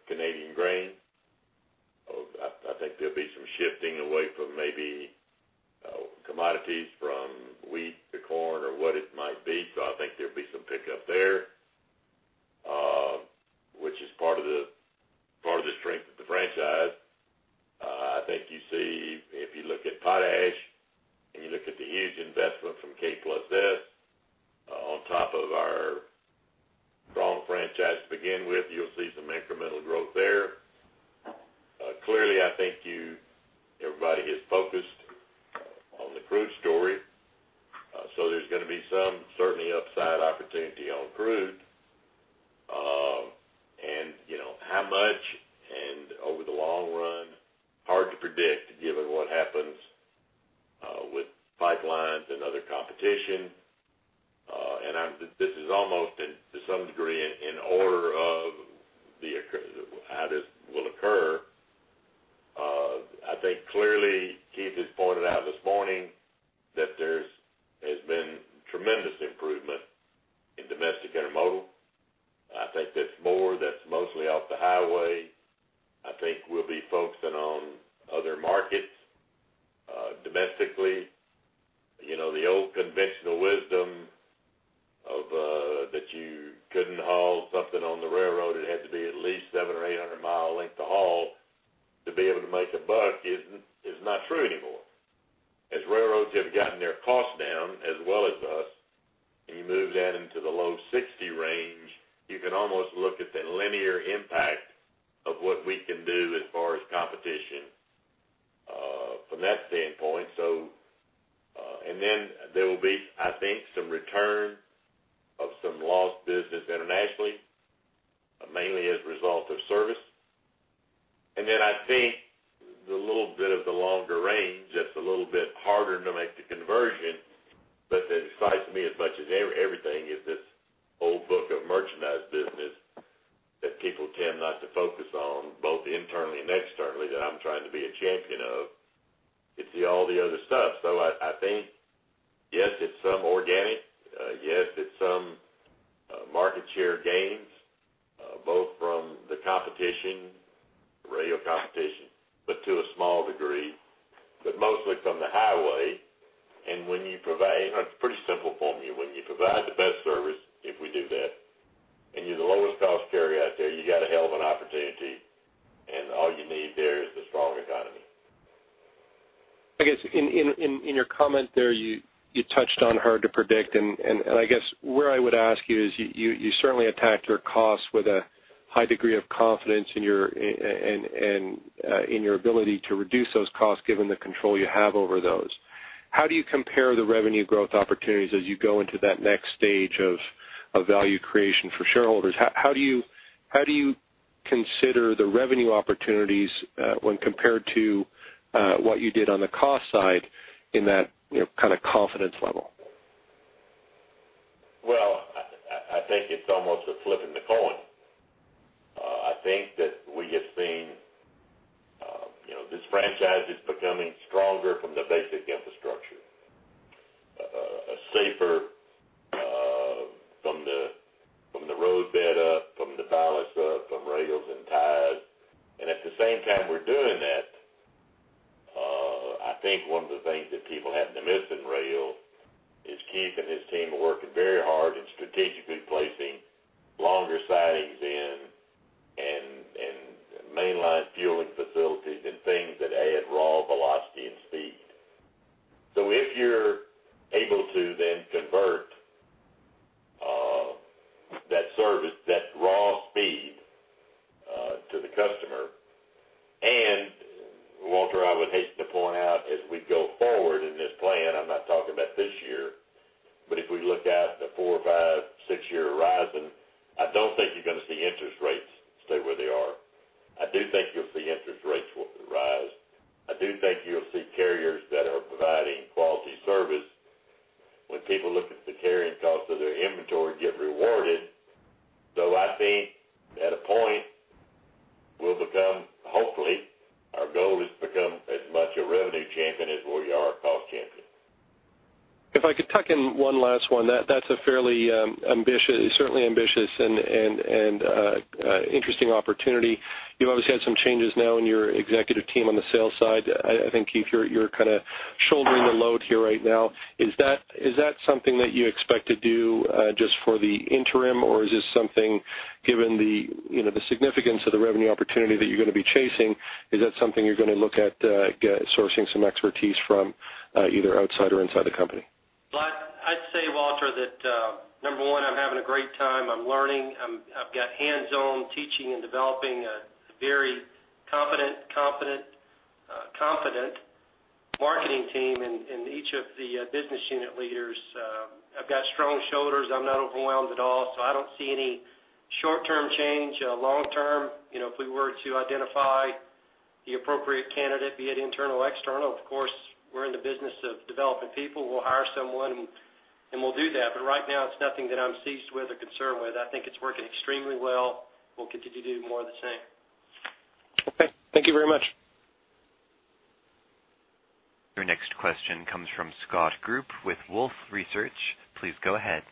Canadian grain. I think there'll be some shifting away from maybe commodities from wheat to corn or what it might be, so I think there'll be some pickup there, which is part of the strength of the franchise. I think you see if you look at Potash and you look at the huge investment from K+S on top of our strong franchise to begin with, you'll see some incremental growth there. Clearly, I think everybody has focused on the crude story, so there's going to be some certain upside opportunity on crude. And how much and over the long run? Hard to predict given what happens with pipelines and other competition. This is almost to some degree in order of how this will occur. I think clearly, Keith has pointed out this morning that there has been tremendous improvement in domestic intermodal. I think that's more. That's mostly off the highway. I think we'll be focusing on other markets domestically. The old conventional wisdom that you couldn't haul something on the railroad, it had to be at least 700- or 800-mile length to haul to be able to make a buck is not true anymore. As railroads have gotten their costs down as well as us, and you move down into the low 60 range, you can almost look at the linear impact of what we can do as far as competition from that standpoint. Then there will be, I think, some return of some lost business internationally, mainly as a result of service. And then I think the little bit of the longer range, that's a little bit harder to make the conversion, but that excites me as much as everything. It's this old book of merchandise business that people tend not to focus on, both internally and externally, that I'm trying to be a champion of. It's all the other stuff. So I think, yes, it's some organic. Yes, it's some market share gains, both from the competition, the rail competition, but to a small degree, but mostly from the highway. And when you provide, it's a pretty simple formula. When you provide the best service, if we do that, and you're the lowest cost carrier out there, you got a hell of an opportunity, and all you need there is the strong economy. I guess in your comment there, you touched on hard to predict. And I guess where I would ask you is you certainly attacked your costs with a high degree of confidence in your ability to reduce those costs given the control you have over those. How do you compare the revenue growth opportunities as you go into that next stage of value creation for shareholders? How do you consider the revenue opportunities when compared to what you did on the cost side in that kind of confidence level? Well, I think it's almost a flip of the coin. I think that we have seen this franchise is becoming stronger from the basic infrastructure, safer from the road bed up, from the ballast up, from rails and ties. And at the same time, we're doing that. I think one of the things that people haven't missed in rail is Keith and his team are working very hard in strategically placing longer sidings in and mainline fueling facilities and things that add raw velocity and speed. So if you're able to then convert that raw speed to the customer and Walter, I would hate to point out, as we go forward in this plan, I'm not talking about this year, but if we look out the 4, 5, 6-year horizon, I don't think you're going to see interest rates stay where they are. I do think you'll see interest rates rise. I do think you'll see carriers that are providing quality service. When people look at the carrying costs of their inventory, get rewarded. So I think at a point, we'll become hopefully, our goal is to become as much a revenue champion as we are a cost champion. If I could tuck in one last one, that's a fairly certainly ambitious and interesting opportunity. You've obviously had some changes now in your executive team on the sales side. I think, Keith, you're kind of shouldering the load here right now. Is that something that you expect to do just for the interim, or is this something given the significance of the revenue opportunity that you're going to be chasing, is that something you're going to look at sourcing some expertise from either outside or inside the company? Well, I'd say, Walter, that number one, I'm having a great time. I'm learning. I've got hands-on teaching and developing a very competent, confident marketing team in each of the business unit leaders. I've got strong shoulders. I'm not overwhelmed at all, so I don't see any short-term change. Long-term, if we were to identify the appropriate candidate, be it internal or external, of course, we're in the business of developing people. We'll hire someone, and we'll do that. But right now, it's nothing that I'm seized with or concerned with. I think it's working extremely well. We'll continue to do more of the same. Okay. Thank you very much. Your next question comes from Scott Group with Wolfe Research. Please go ahead.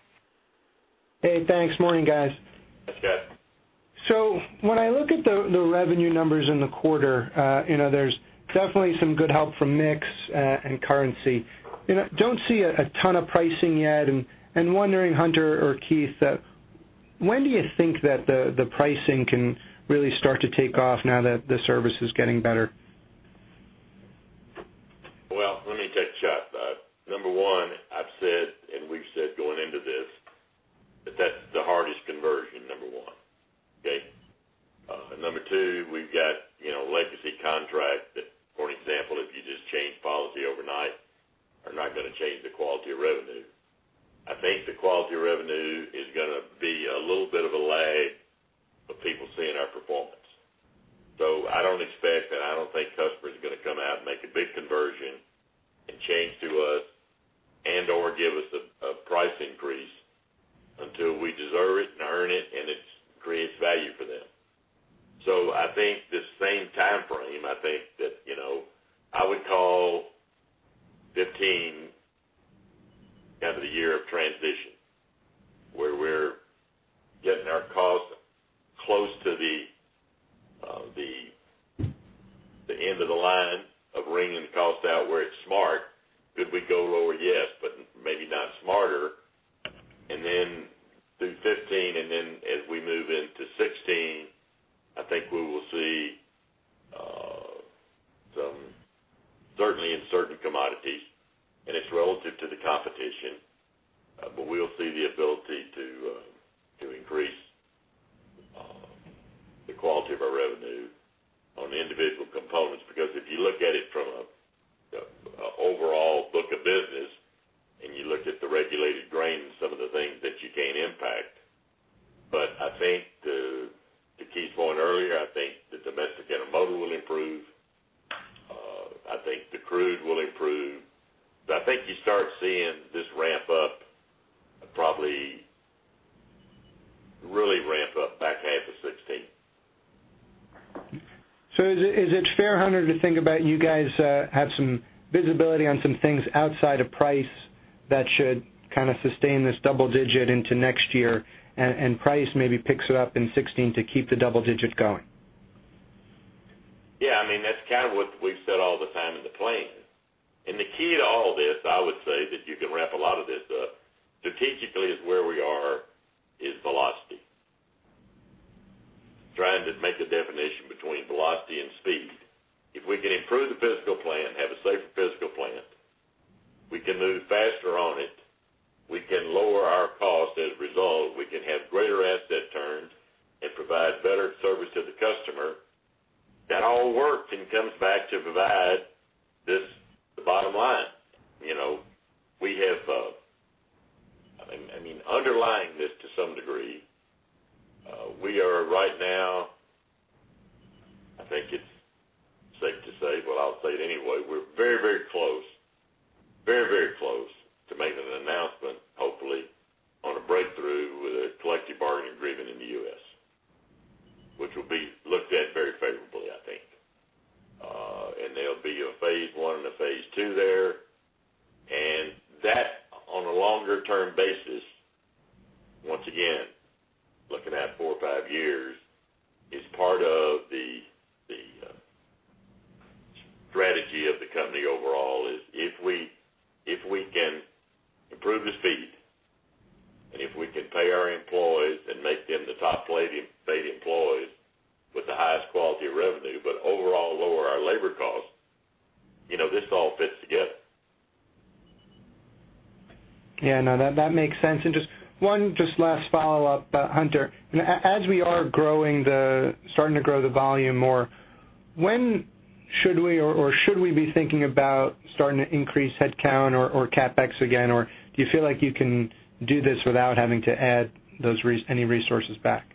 Hey, thanks. Morning, guys. That's good. When I look at the revenue numbers in the quarter, there's definitely some good help from mix and currency. Don't see a ton of pricing yet. Wondering, Hunter or Keith, when do you think that the pricing can really start to take off now that the service is getting better? Well, let me touch that. Number one, I've said and we've said going into this that that's the hardest conversion, number one, okay? Number two, we've got legacy contracts that, for an example, if you just change policy overnight, are not going to change the quality of revenue. I think the quality of revenue is going to be a little bit of a lag of people seeing our performance. So I don't expect that. I don't think customers are going to come out and make a big conversion and change to us and/or give us a price increase until we deserve it and earn it and it creates value for them. So I think this same timeframe, I think that I would call 2015 kind of the year of transition where we're getting our costs close to the end of the line of ringing the cost out where it's smart. Could we go lower? Yes, but maybe not smarter. And then through 2015, and then as we move into 2016, I think we will see some certainly in certain commodities, and it's relative to the competition, but we'll see the ability to increase the quality of our revenue on individual components because if you look at it from an overall book of business and you look at the regulated grain and some of the things that you can't impact. But I think to Keith's point earlier, I think the domestic intermodal will improve. I think the crude will improve. But I think you start seeing this ramp up probably really ramp up back half of 2016. Is it fair, Hunter, to think about you guys have some visibility on some things outside of price that should kind of sustain this double digit into next year, and price maybe picks it up in 2016 to keep the double digit going? Yeah. I mean, that's kind of what we've said all the time in the plan. And the key to all this, I would say, that you can wrap a lot of this up strategically is where we are is velocity. Trying to make a definition between velocity and speed. If we can improve the physical plant, have a safer physical plant, we can move faster on it. We can lower our cost as a result. We can have greater asset turns and provide better service to the customer. That all works and comes back to provide the bottom line. I mean, underlying this to some degree, we are right now, I think it's safe to say, well, I'll say it anyway, we're very, very close, very, very close to making an announcement, hopefully, on a breakthrough with a collective bargaining agreement in the US, which will be looked at very favorably, I think. And there'll be a phase one and a phase two there. And that, on a longer-term basis, once again, looking out four or five years, is part of the strategy of the company overall is if we can improve the speed and if we can pay our employees and make them the top-paid employees with the highest quality of revenue but overall lower our labor costs, this all fits together. Yeah. No, that makes sense. And just one last follow-up, Hunter. As we are starting to grow the volume more, when should we or should we be thinking about starting to increase headcount or CapEx again? Or do you feel like you can do this without having to add any resources back?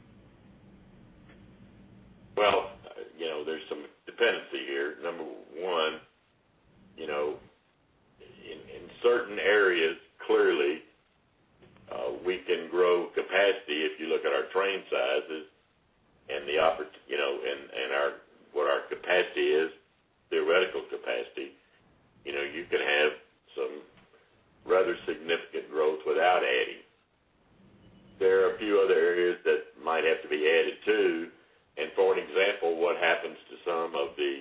Well, there's some dependency here. Number one, in certain areas, clearly, we can grow capacity if you look at our train sizes and what our capacity is, theoretical capacity. You can have some rather significant growth without adding. There are a few other areas that might have to be added too. And for an example, what happens to some of the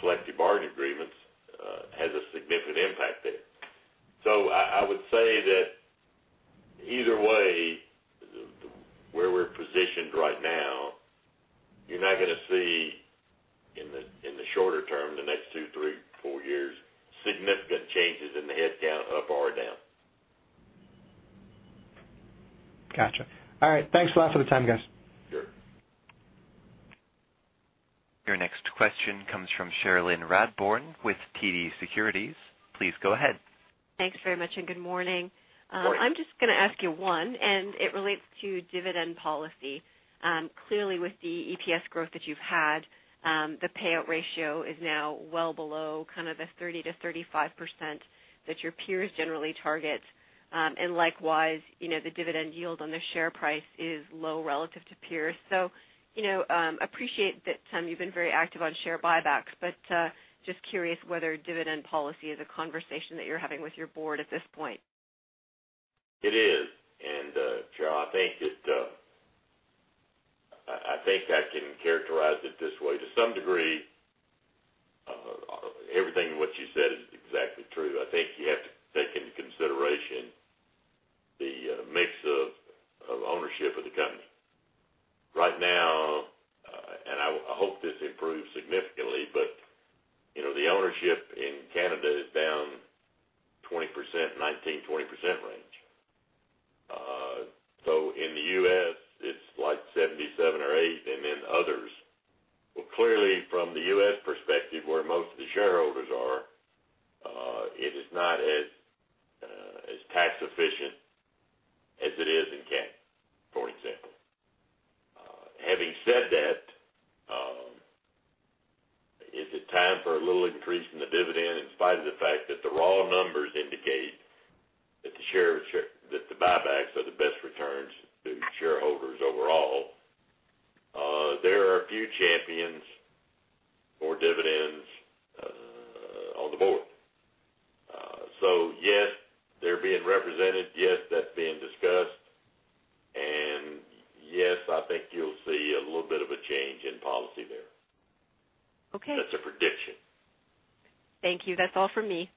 collective bargaining agreements has a significant impact there. So I would say that either way, where we're positioned right now, you're not going to see in the shorter term, the next 2, 3, 4 years, significant changes in the headcount up or down. Gotcha. All right. Thanks a lot for the time, guys. Sure. Your next question comes from Cherilyn Radbourne with TD Securities. Please go ahead. Thanks very much, and good morning. I'm just going to ask you one, and it relates to dividend policy. Clearly, with the EPS growth that you've had, the payout ratio is now well below kind of the 30%-35% that your peers generally target. And likewise, the dividend yield on the share price is low relative to peers. So appreciate that, Tom, you've been very active on share buybacks, but just curious whether dividend policy is a conversation that you're having with your board at this point? It is. And, Cheryl, I think I can characterize it this way. To some degree, everything in what you said is exactly true. I think you have to take into consideration the mix of ownership of the company. Right now, and I hope this improves significantly, but the ownership in Canada is down 20%, 19-20% range. So in the US, it's like 77 or 78, and then others. Well, clearly, from the US perspective, where most of the shareholders are, it is not as tax-efficient as it is in Canada, for an example. Having said that, is it time for a little increase in the dividend in spite of the fact that the raw numbers indicate that the buybacks are the best returns to shareholders overall? There are a few champions for dividends on the board. So yes, they're being represented. Yes, that's being discussed. Yes, I think you'll see a little bit of a change in policy there. That's a prediction. Thank you. That's all from me.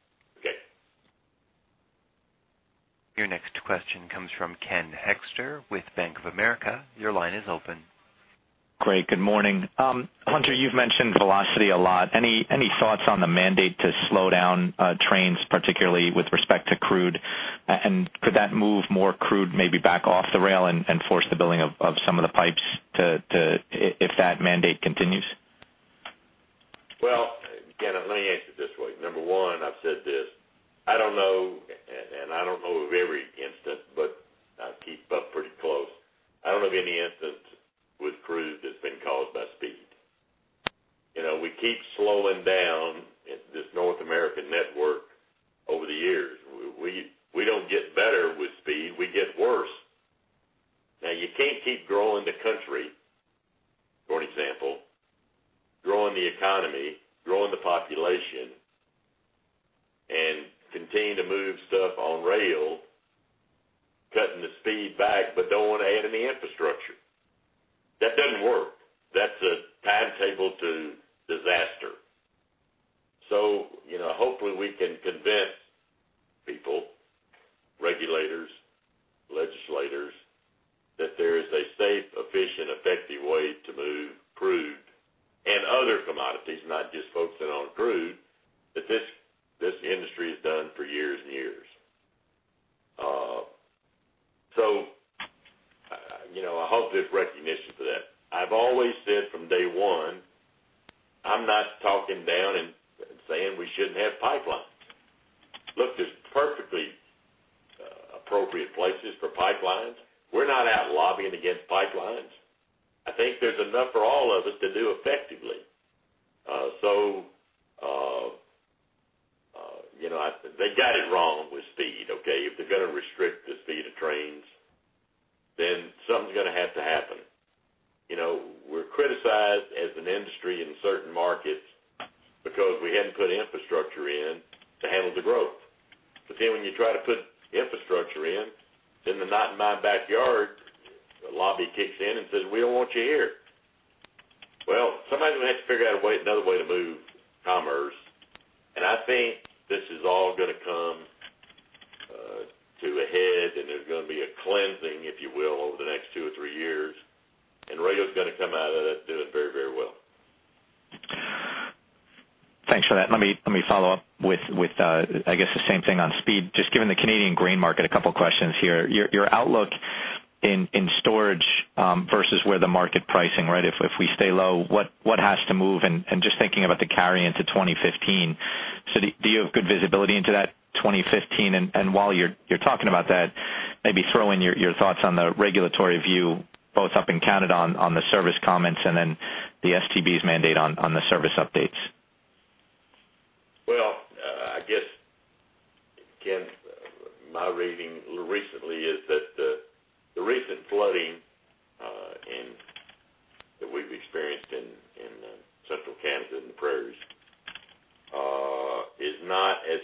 Okay. Your next question comes from Ken Hoexter with Bank of America. Your line is open. Great. Good morning. Hunter, you've mentioned velocity a lot. Any thoughts on the mandate to slow down trains, particularly with respect to crude? And could that move more crude maybe back off the rail and force the building of some of the pipes if that mandate continues? Well, again, let me answer this way. Number one, I've said this. I don't know, and I don't know of every instance, but I keep up pretty close. I don't know of any instance with crude that's been caused by speed. We keep slowing down this North American network over the years. We don't get better with speed. We get worse. Now, you can't keep growing the country, for an example, growing the economy, growing the population, and continue to move stuff on rail, cutting the speed back, but don't want to add any infrastructure. That doesn't work. That's a timetable to disaster. So hopefully, we can convince people, regulators, legislators, that there is a safe, efficient, effective way to move crude and other commodities, not just focusing on crude, that this industry is done for years and years. So I hope there's recognition for that. I've always said from day one, I'm not talking down and saying we shouldn't have pipelines. Look, there's perfectly appropriate places for pipelines. We're not out lobbying against pipelines. I think there's enough for all of us to do effectively. So they got it wrong with speed, okay? If they're going to restrict the speed of trains, then something's going to have to happen. We're criticized as an industry in certain markets because we hadn't put infrastructure in to handle the growth. But then when you try to put infrastructure in, then the not in my backyard, a lobby kicks in and says, "We don't want you here." Well, somebody's going to have to figure out another way to move commerce. And I think this is all going to come to a head, and there's going to be a cleansing, if you will, over the next two or three years. Rail's going to come out of that doing very, very well. Thanks for that. Let me follow up with, I guess, the same thing on speed. Just given the Canadian grain market, a couple of questions here. Your outlook in storage versus where the market pricing, right? If we stay low, what has to move? And just thinking about the carry into 2015, so do you have good visibility into that 2015? And while you're talking about that, maybe throw in your thoughts on the regulatory view, both up in Canada on the service comments and then the STB's mandate on the service updates. Well, I guess, again, my reading recently is that the recent flooding that we've experienced in central Canada and the Prairies is not as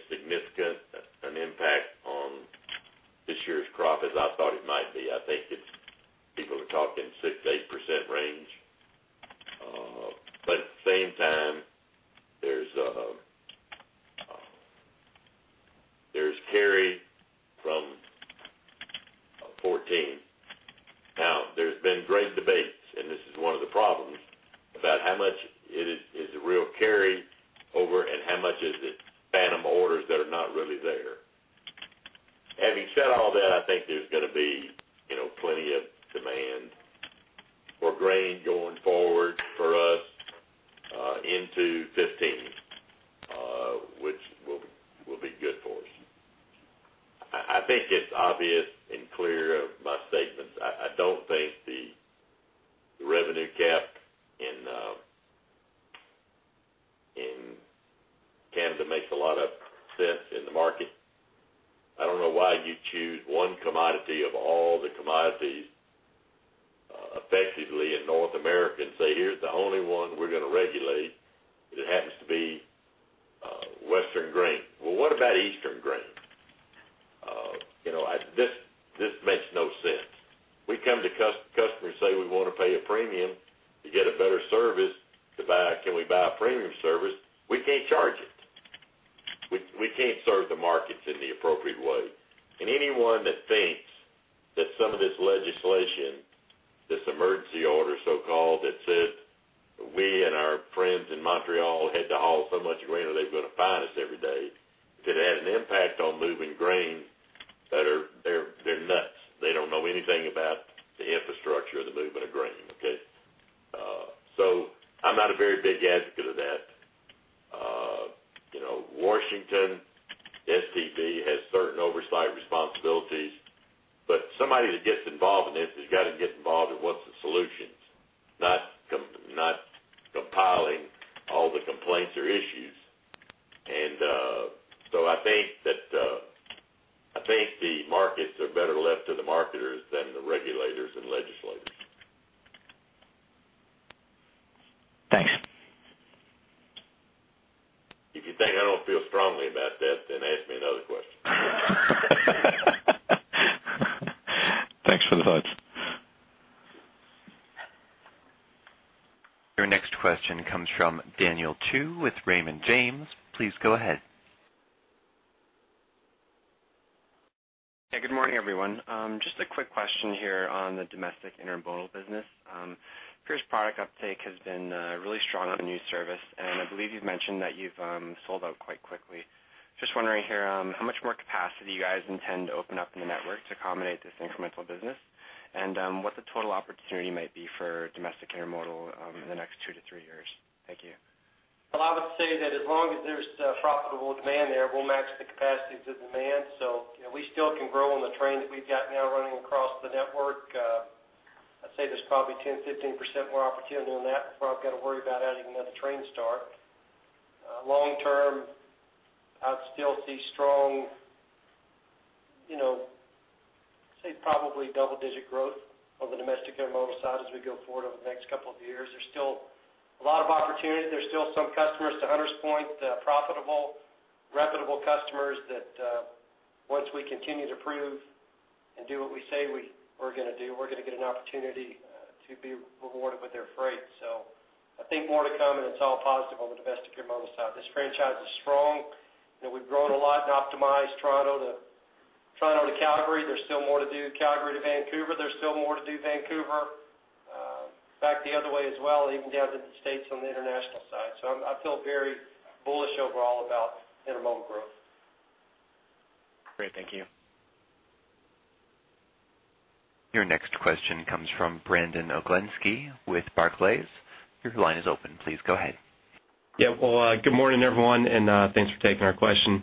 The service product Uptake has been really strong on the new service, and I believe you've mentioned that you've sold out quite quickly. Just wondering here, how much more capacity you guys intend to open up in the network to accommodate this incremental business and what the total opportunity might be for domestic intermodal in the next 2-3 years? Thank you. Well, I would say that as long as there's profitable demand there, we'll match the capacities of demand. So we still can grow on the train that we've got now running across the network. I'd say there's probably 10%-15% more opportunity on that before I've got to worry about adding another train start. Long term, I'd still see strong, I'd say probably double-digit growth on the domestic intermodal side as we go forward over the next couple of years. There's still a lot of opportunity. There's still some customers, to Hunter's point, profitable, reputable customers that once we continue to prove and do what we say we're going to do, we're going to get an opportunity to be rewarded with their freight. So I think more to come, and it's all positive on the domestic intermodal side. This franchise is strong. We've grown a lot in optimized, Toronto to Calgary. There's still more to do. Calgary to Vancouver, there's still more to do. Vancouver, back the other way as well, even down to the states on the international side. So I feel very bullish overall about intermodal growth. Great. Thank you. Your next question comes from Brandon Oglenski with Barclays. Your line is open. Please go ahead. Yeah. Well, good morning, everyone, and thanks for taking our question.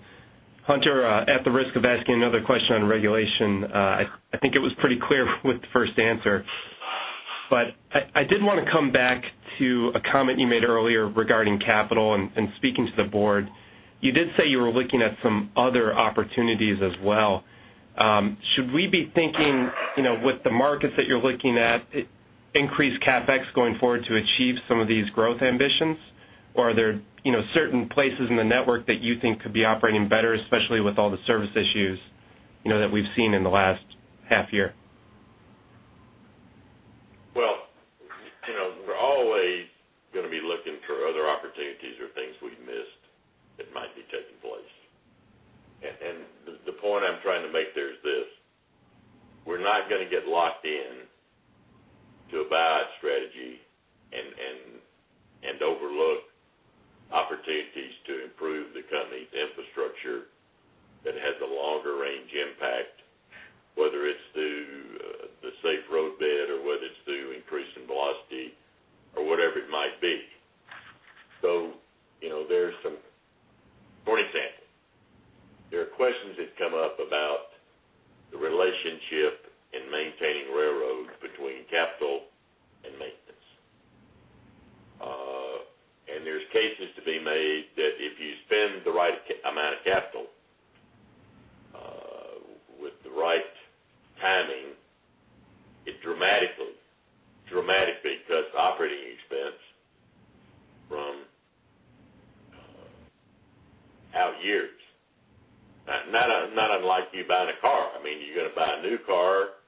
Hunter, at the risk of asking another question on regulation, I think it was pretty clear with the first answer. But I did want to come back to a comment you made earlier regarding capital and speaking to the board. You did say you were looking at some other opportunities as well. Should we be thinking, with the markets that you're looking at, increased CapEx going forward to achieve some of these growth ambitions, or are there certain places in the network that you think could be operating better, especially with all the service issues that we've seen in the last half year? Well, we're always going to be looking for other opportunities or things we've missed that might be taking place. And the point I'm trying to make there is this: we're not going to get locked into a buyout strategy and overlook opportunities to improve the company's infrastructure that has a longer-range impact, whether it's through the safe roadbed or whether it's through increasing velocity or whatever it might be. So, for example, there are questions that come up about the relationship in maintaining railroads between capital and maintenance. And there's cases to be made that if you spend the right amount of capital with the right timing, it dramatically cuts operating expense from out years. Not unlike you buying a car. I mean, you're going to buy a new car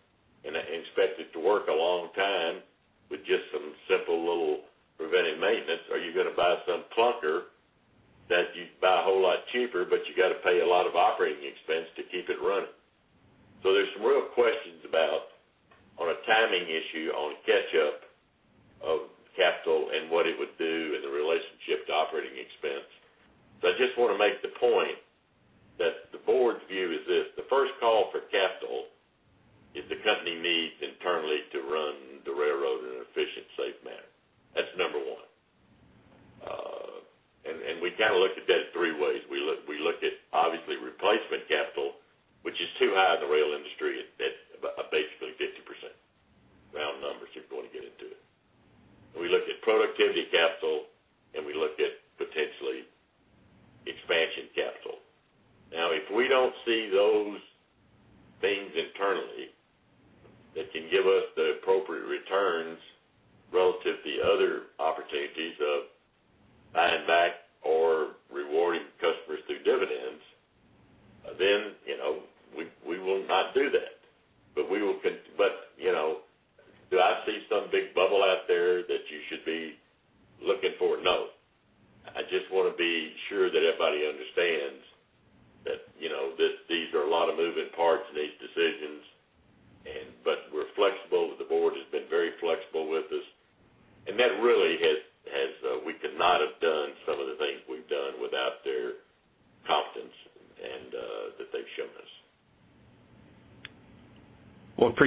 and expect it to work a long time with just some simple little preventive maintenance, or you're going to buy some clunker that you buy a whole lot cheaper, but you got to pay a lot of operating expense to keep it running. So there's some real questions about a timing issue on catch-up of capital and what it would do and the relationship to operating expense. So I just want to make the point that the board's view is this: the first call for capital is the company needs internally to run the railroad in an efficient, safe manner. That's number one. And we kind of look at that in three ways. We look at, obviously, replacement capital, which is too high in the rail industry at basically 50% round numbers if you want to get into it. And we look at productivity capital, and we look at potentially expansion capital. Now, if we don't see those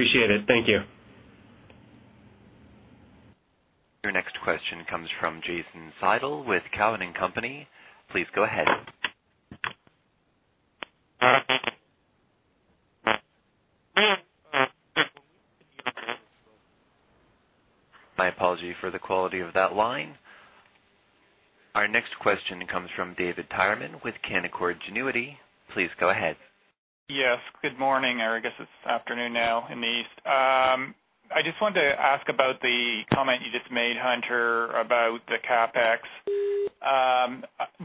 things internally that can give us the appropriate returns relative to the other opportunities of buying back or rewarding customers through dividends, then we will not do that. But we will, but do I see some big bubble out there that you should be looking for? No. I just want to be sure that everybody understands that these are a lot of moving parts in these decisions, but we're flexible. The board has been very flexible with us. And that really has—we could not have done some of the things we've done without their confidence and that they've shown us. Well, appreciate it. Thank you. Your next question comes from Jason Seidl with Cowen and Company. Please go ahead. My apology for the quality of that line. Our next question comes from David Tyerman with Canaccord Genuity. Please go ahead. Yes. Good morning, or I guess it's afternoon now in the east. I just wanted to ask about the comment you just made, Hunter, about the CapEx.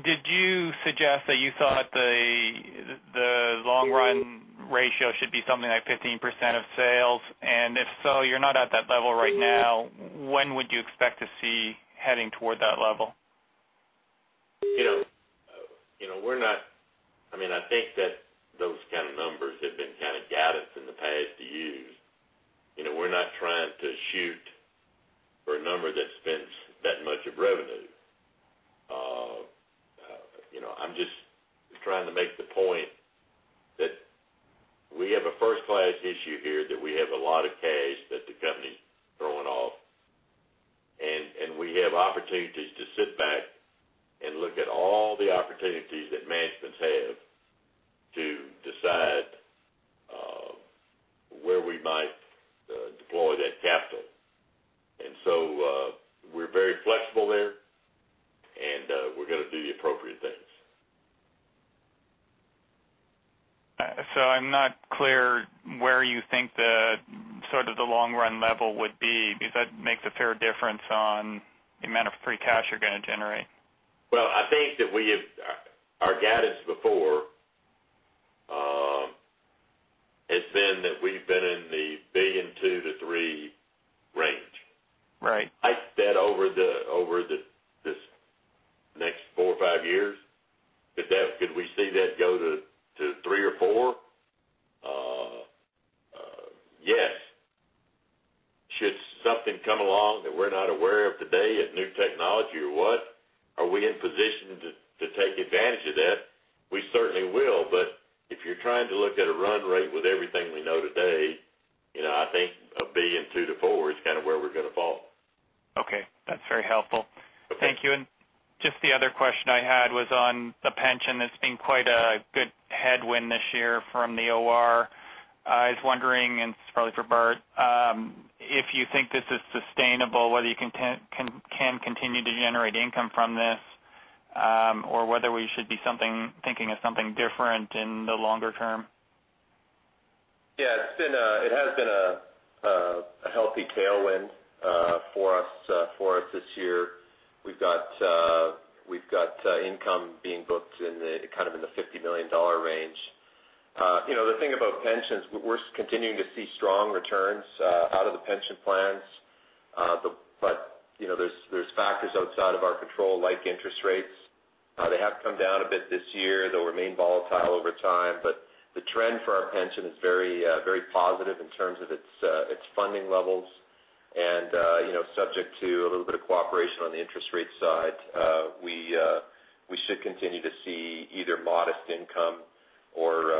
Did you suggest that you thought the long-run ratio should be something like 15% of sales? And if so, you're not at that level right now. When would you expect to see heading toward that level? We're not, I mean, I think that those kind of numbers have been kind of gathered in the past to use. We're not trying to shoot for a number that spends that much of revenue. I'm just trying to make the point that we have a first-class issue here that we have a lot of cash that the company's throwing off. We have opportunities to sit back and look at all the opportunities that managements have to decide where we might deploy that capital. So we're very flexible there, and we're going to do the appropriate things. I'm not clear where you think sort of the long-run level would be because that makes a fair difference on the amount of free cash you're going to generate. Well, I think that we have our guidance before has been that we've been in the $1.2 billion-$3 billion range. I bet over the next 4 or 5 years, could we see that go to $3 billion or $4 billion? Yes. Should something come along that we're not aware of today at new technology or what, are we in position to take advantage of that? We certainly will. But if you're trying to look at a run rate with everything we know today, I think a $1.2 billion-$4 billion is kind of where we're going to fall. Okay. That's very helpful. Thank you. And just the other question I had was on the pension. It's been quite a good headwind this year from the OR. I was wondering, and it's probably for Bart, if you think this is sustainable, whether you can continue to generate income from this or whether we should be thinking of something different in the longer term. Yeah. It has been a healthy tailwind for us this year. We've got income being booked kind of in the $50 million range. The thing about pensions, we're continuing to see strong returns out of the pension plans, but there's factors outside of our control like interest rates. They have come down a bit this year. They'll remain volatile over time. But the trend for our pension is very positive in terms of its funding levels. And subject to a little bit of cooperation on the interest rate side, we should continue to see either modest income or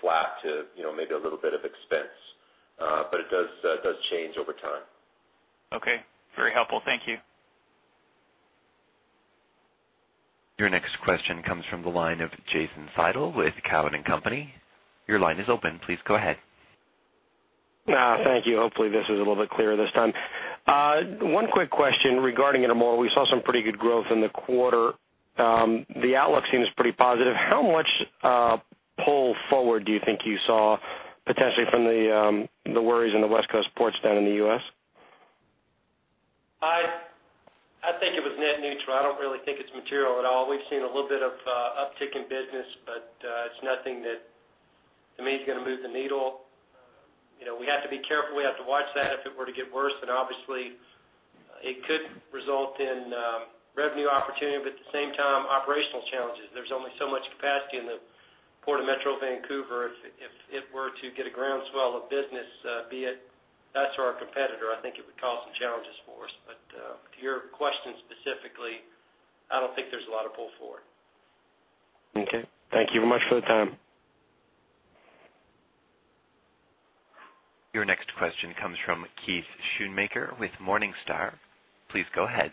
flat to maybe a little bit of expense. But it does change over time. Okay. Very helpful. Thank you. Your next question comes from the line of Jason Seidl with Cowen and Company. Your line is open. Please go ahead. Thank you. Hopefully, this is a little bit clearer this time. One quick question regarding intermodal. We saw some pretty good growth in the quarter. The outlook seems pretty positive. How much pull forward do you think you saw potentially from the worries in the West Coast ports down in the U.S.? I think it was net neutral. I don't really think it's material at all. We've seen a little bit of uptick in business, but it's nothing that, to me, is going to move the needle. We have to be careful. We have to watch that if it were to get worse. And obviously, it could result in revenue opportunity, but at the same time, operational challenges. There's only so much capacity in the Port of Metro Vancouver. If it were to get a groundswell of business, be it us or our competitor, I think it would cause some challenges for us. But to your question specifically, I don't think there's a lot of pull forward. Okay. Thank you very much for the time. Your next question comes from Keith Schoonmaker with Morningstar. Please go ahead.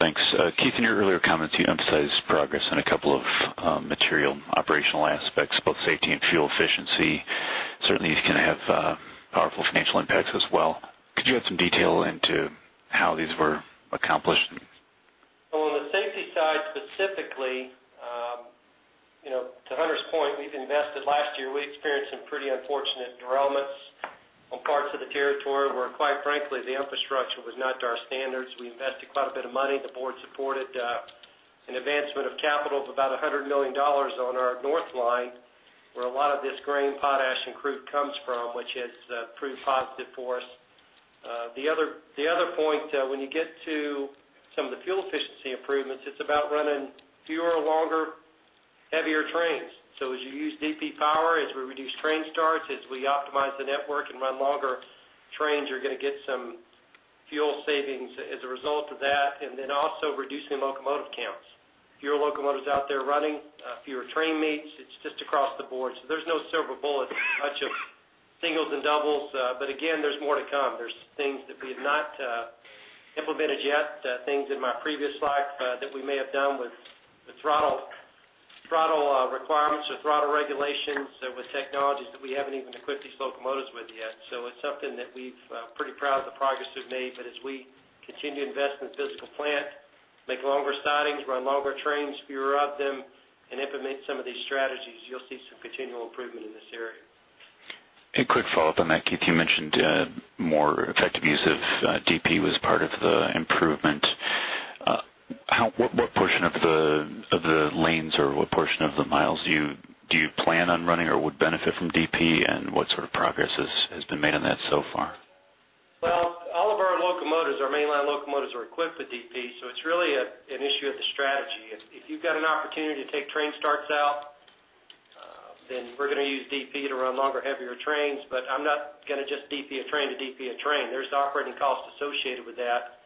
Thanks. Keith, in your earlier comments, you emphasized progress on a couple of material operational aspects, both safety and fuel efficiency. Certainly, these can have powerful financial impacts as well. Could you add some detail into how these were accomplished? Well, on the safety side specifically, to Hunter's point, we've invested last year. We experienced some pretty unfortunate derailments on parts of the territory where, quite frankly, the infrastructure was not to our standards. We invested quite a bit of money. The board supported an advancement of capital of about $100 million on our north line where a lot of this grain, potash, and crude comes from, which has proved positive for us. The other point, when you get to some of the fuel efficiency improvements, it's about running fewer, longer, heavier trains. So as you use DP power, as we reduce train starts, as we optimize the network and run longer trains, you're going to get some fuel savings as a result of that and then also reducing locomotive counts. Fewer locomotives out there running, fewer train meets. It's just across the board. So there's no silver bullets. Much of singles and doubles. But again, there's more to come. There's things that we have not implemented yet, things in my previous life that we may have done with throttle requirements or throttle regulations with technologies that we haven't even equipped these locomotives with yet. So it's something that we're pretty proud of the progress we've made. But as we continue to invest in the physical plant, make longer sidings, run longer trains, fewer of them, and implement some of these strategies, you'll see some continual improvement in this area. A quick follow-up on that. Keith, you mentioned more effective use of DP was part of the improvement. What portion of the lanes or what portion of the miles do you plan on running or would benefit from DP, and what sort of progress has been made on that so far? Well, all of our mainline locomotives are equipped with DP, so it's really an issue of the strategy. If you've got an opportunity to take train starts out, then we're going to use DP to run longer, heavier trains. But I'm not going to just DP a train to DP a train. There's operating costs associated with that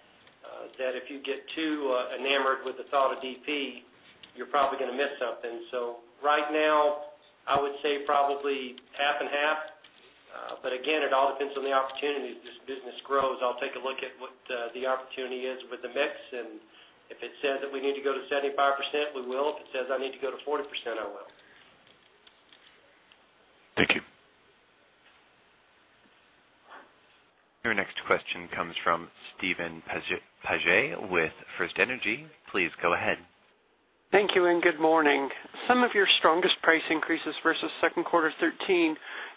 that if you get too enamored with the thought of DP, you're probably going to miss something. So right now, I would say probably 50/50. But again, it all depends on the opportunities. This business grows. I'll take a look at what the opportunity is with the mix. And if it says that we need to go to 75%, we will. If it says I need to go to 40%, I will. Thank you. Your next question comes from Steve Paget with FirstEnergy. Please go ahead. Thank you, and good morning. Some of your strongest price increases versus second quarter 2013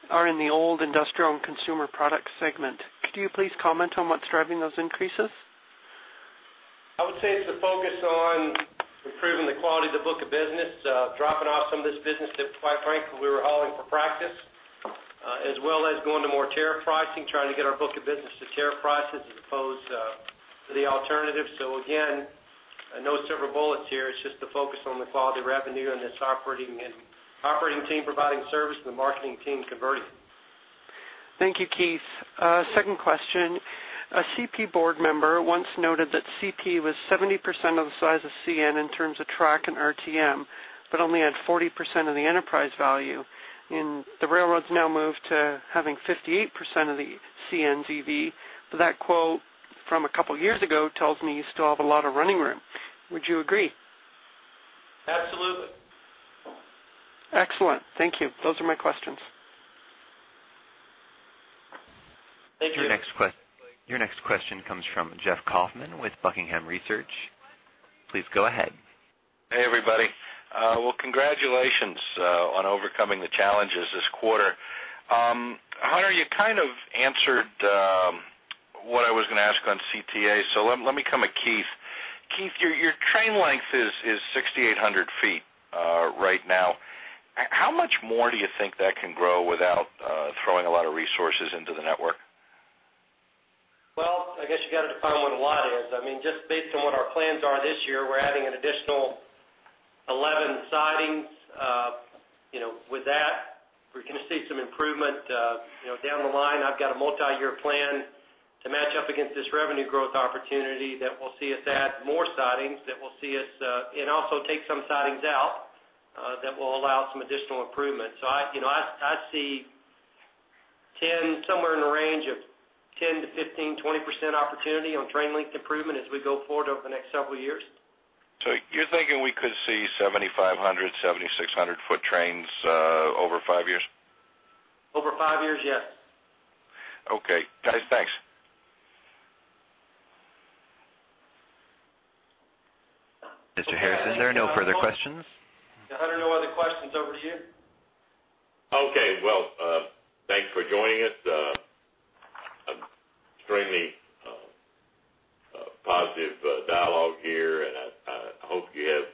are in the old industrial and consumer product segment. Could you please comment on what's driving those increases? I would say it's the focus on improving the quality of the book of business, dropping off some of this business that, quite frankly, we were hauling for practice, as well as going to more tariff pricing, trying to get our book of business to tariff prices as opposed to the alternative. So again, no silver bullets here. It's just the focus on the quality of revenue and this operating team providing service and the marketing team converting it. Thank you, Keith. Second question. A CP board member once noted that CP was 70% of the size of CN in terms of track and RTM but only had 40% of the enterprise value. And the railroads now move to having 58% of the CN's EV. But that quote from a couple of years ago tells me you still have a lot of running room. Would you agree? Absolutely. Excellent. Thank you. Those are my questions. Thank you. Your next question comes from Jeff Kauffman with Buckingham Research. Please go ahead. Hey, everybody. Well, congratulations on overcoming the challenges this quarter. Hunter, you kind of answered what I was going to ask on CTA, so let me come at Keith. Keith, your train length is 6,800 feet right now. How much more do you think that can grow without throwing a lot of resources into the network? Well, I guess you got to define what a lot is. I mean, just based on what our plans are this year, we're adding an additional 11 sidings. With that, we're going to see some improvement down the line. I've got a multi-year plan to match up against this revenue growth opportunity that will see us add more sidings, that will see us and also take some sidings out that will allow some additional improvement. So I see somewhere in the range of 10 to 15, 20% opportunity on train length improvement as we go forward over the next several years. You're thinking we could see 7,500-7,600-foot trains over five years? Over five years, yes. Okay. Guys, thanks. Mr. Harrison, there are no further questions. Yeah, Hunter, no other questions. Over to you. Okay. Well, thanks for joining us. Extremely positive dialogue here, and I hope you have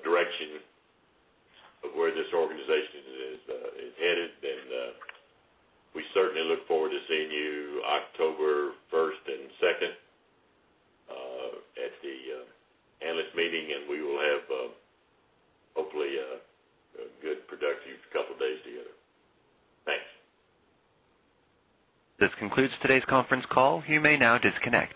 direction of where this organization is headed. We certainly look forward to seeing you October 1st and 2nd at the analyst meeting, and we will have, hopefully, a good, productive couple of days together. Thanks. This concludes today's conference call. You may now disconnect.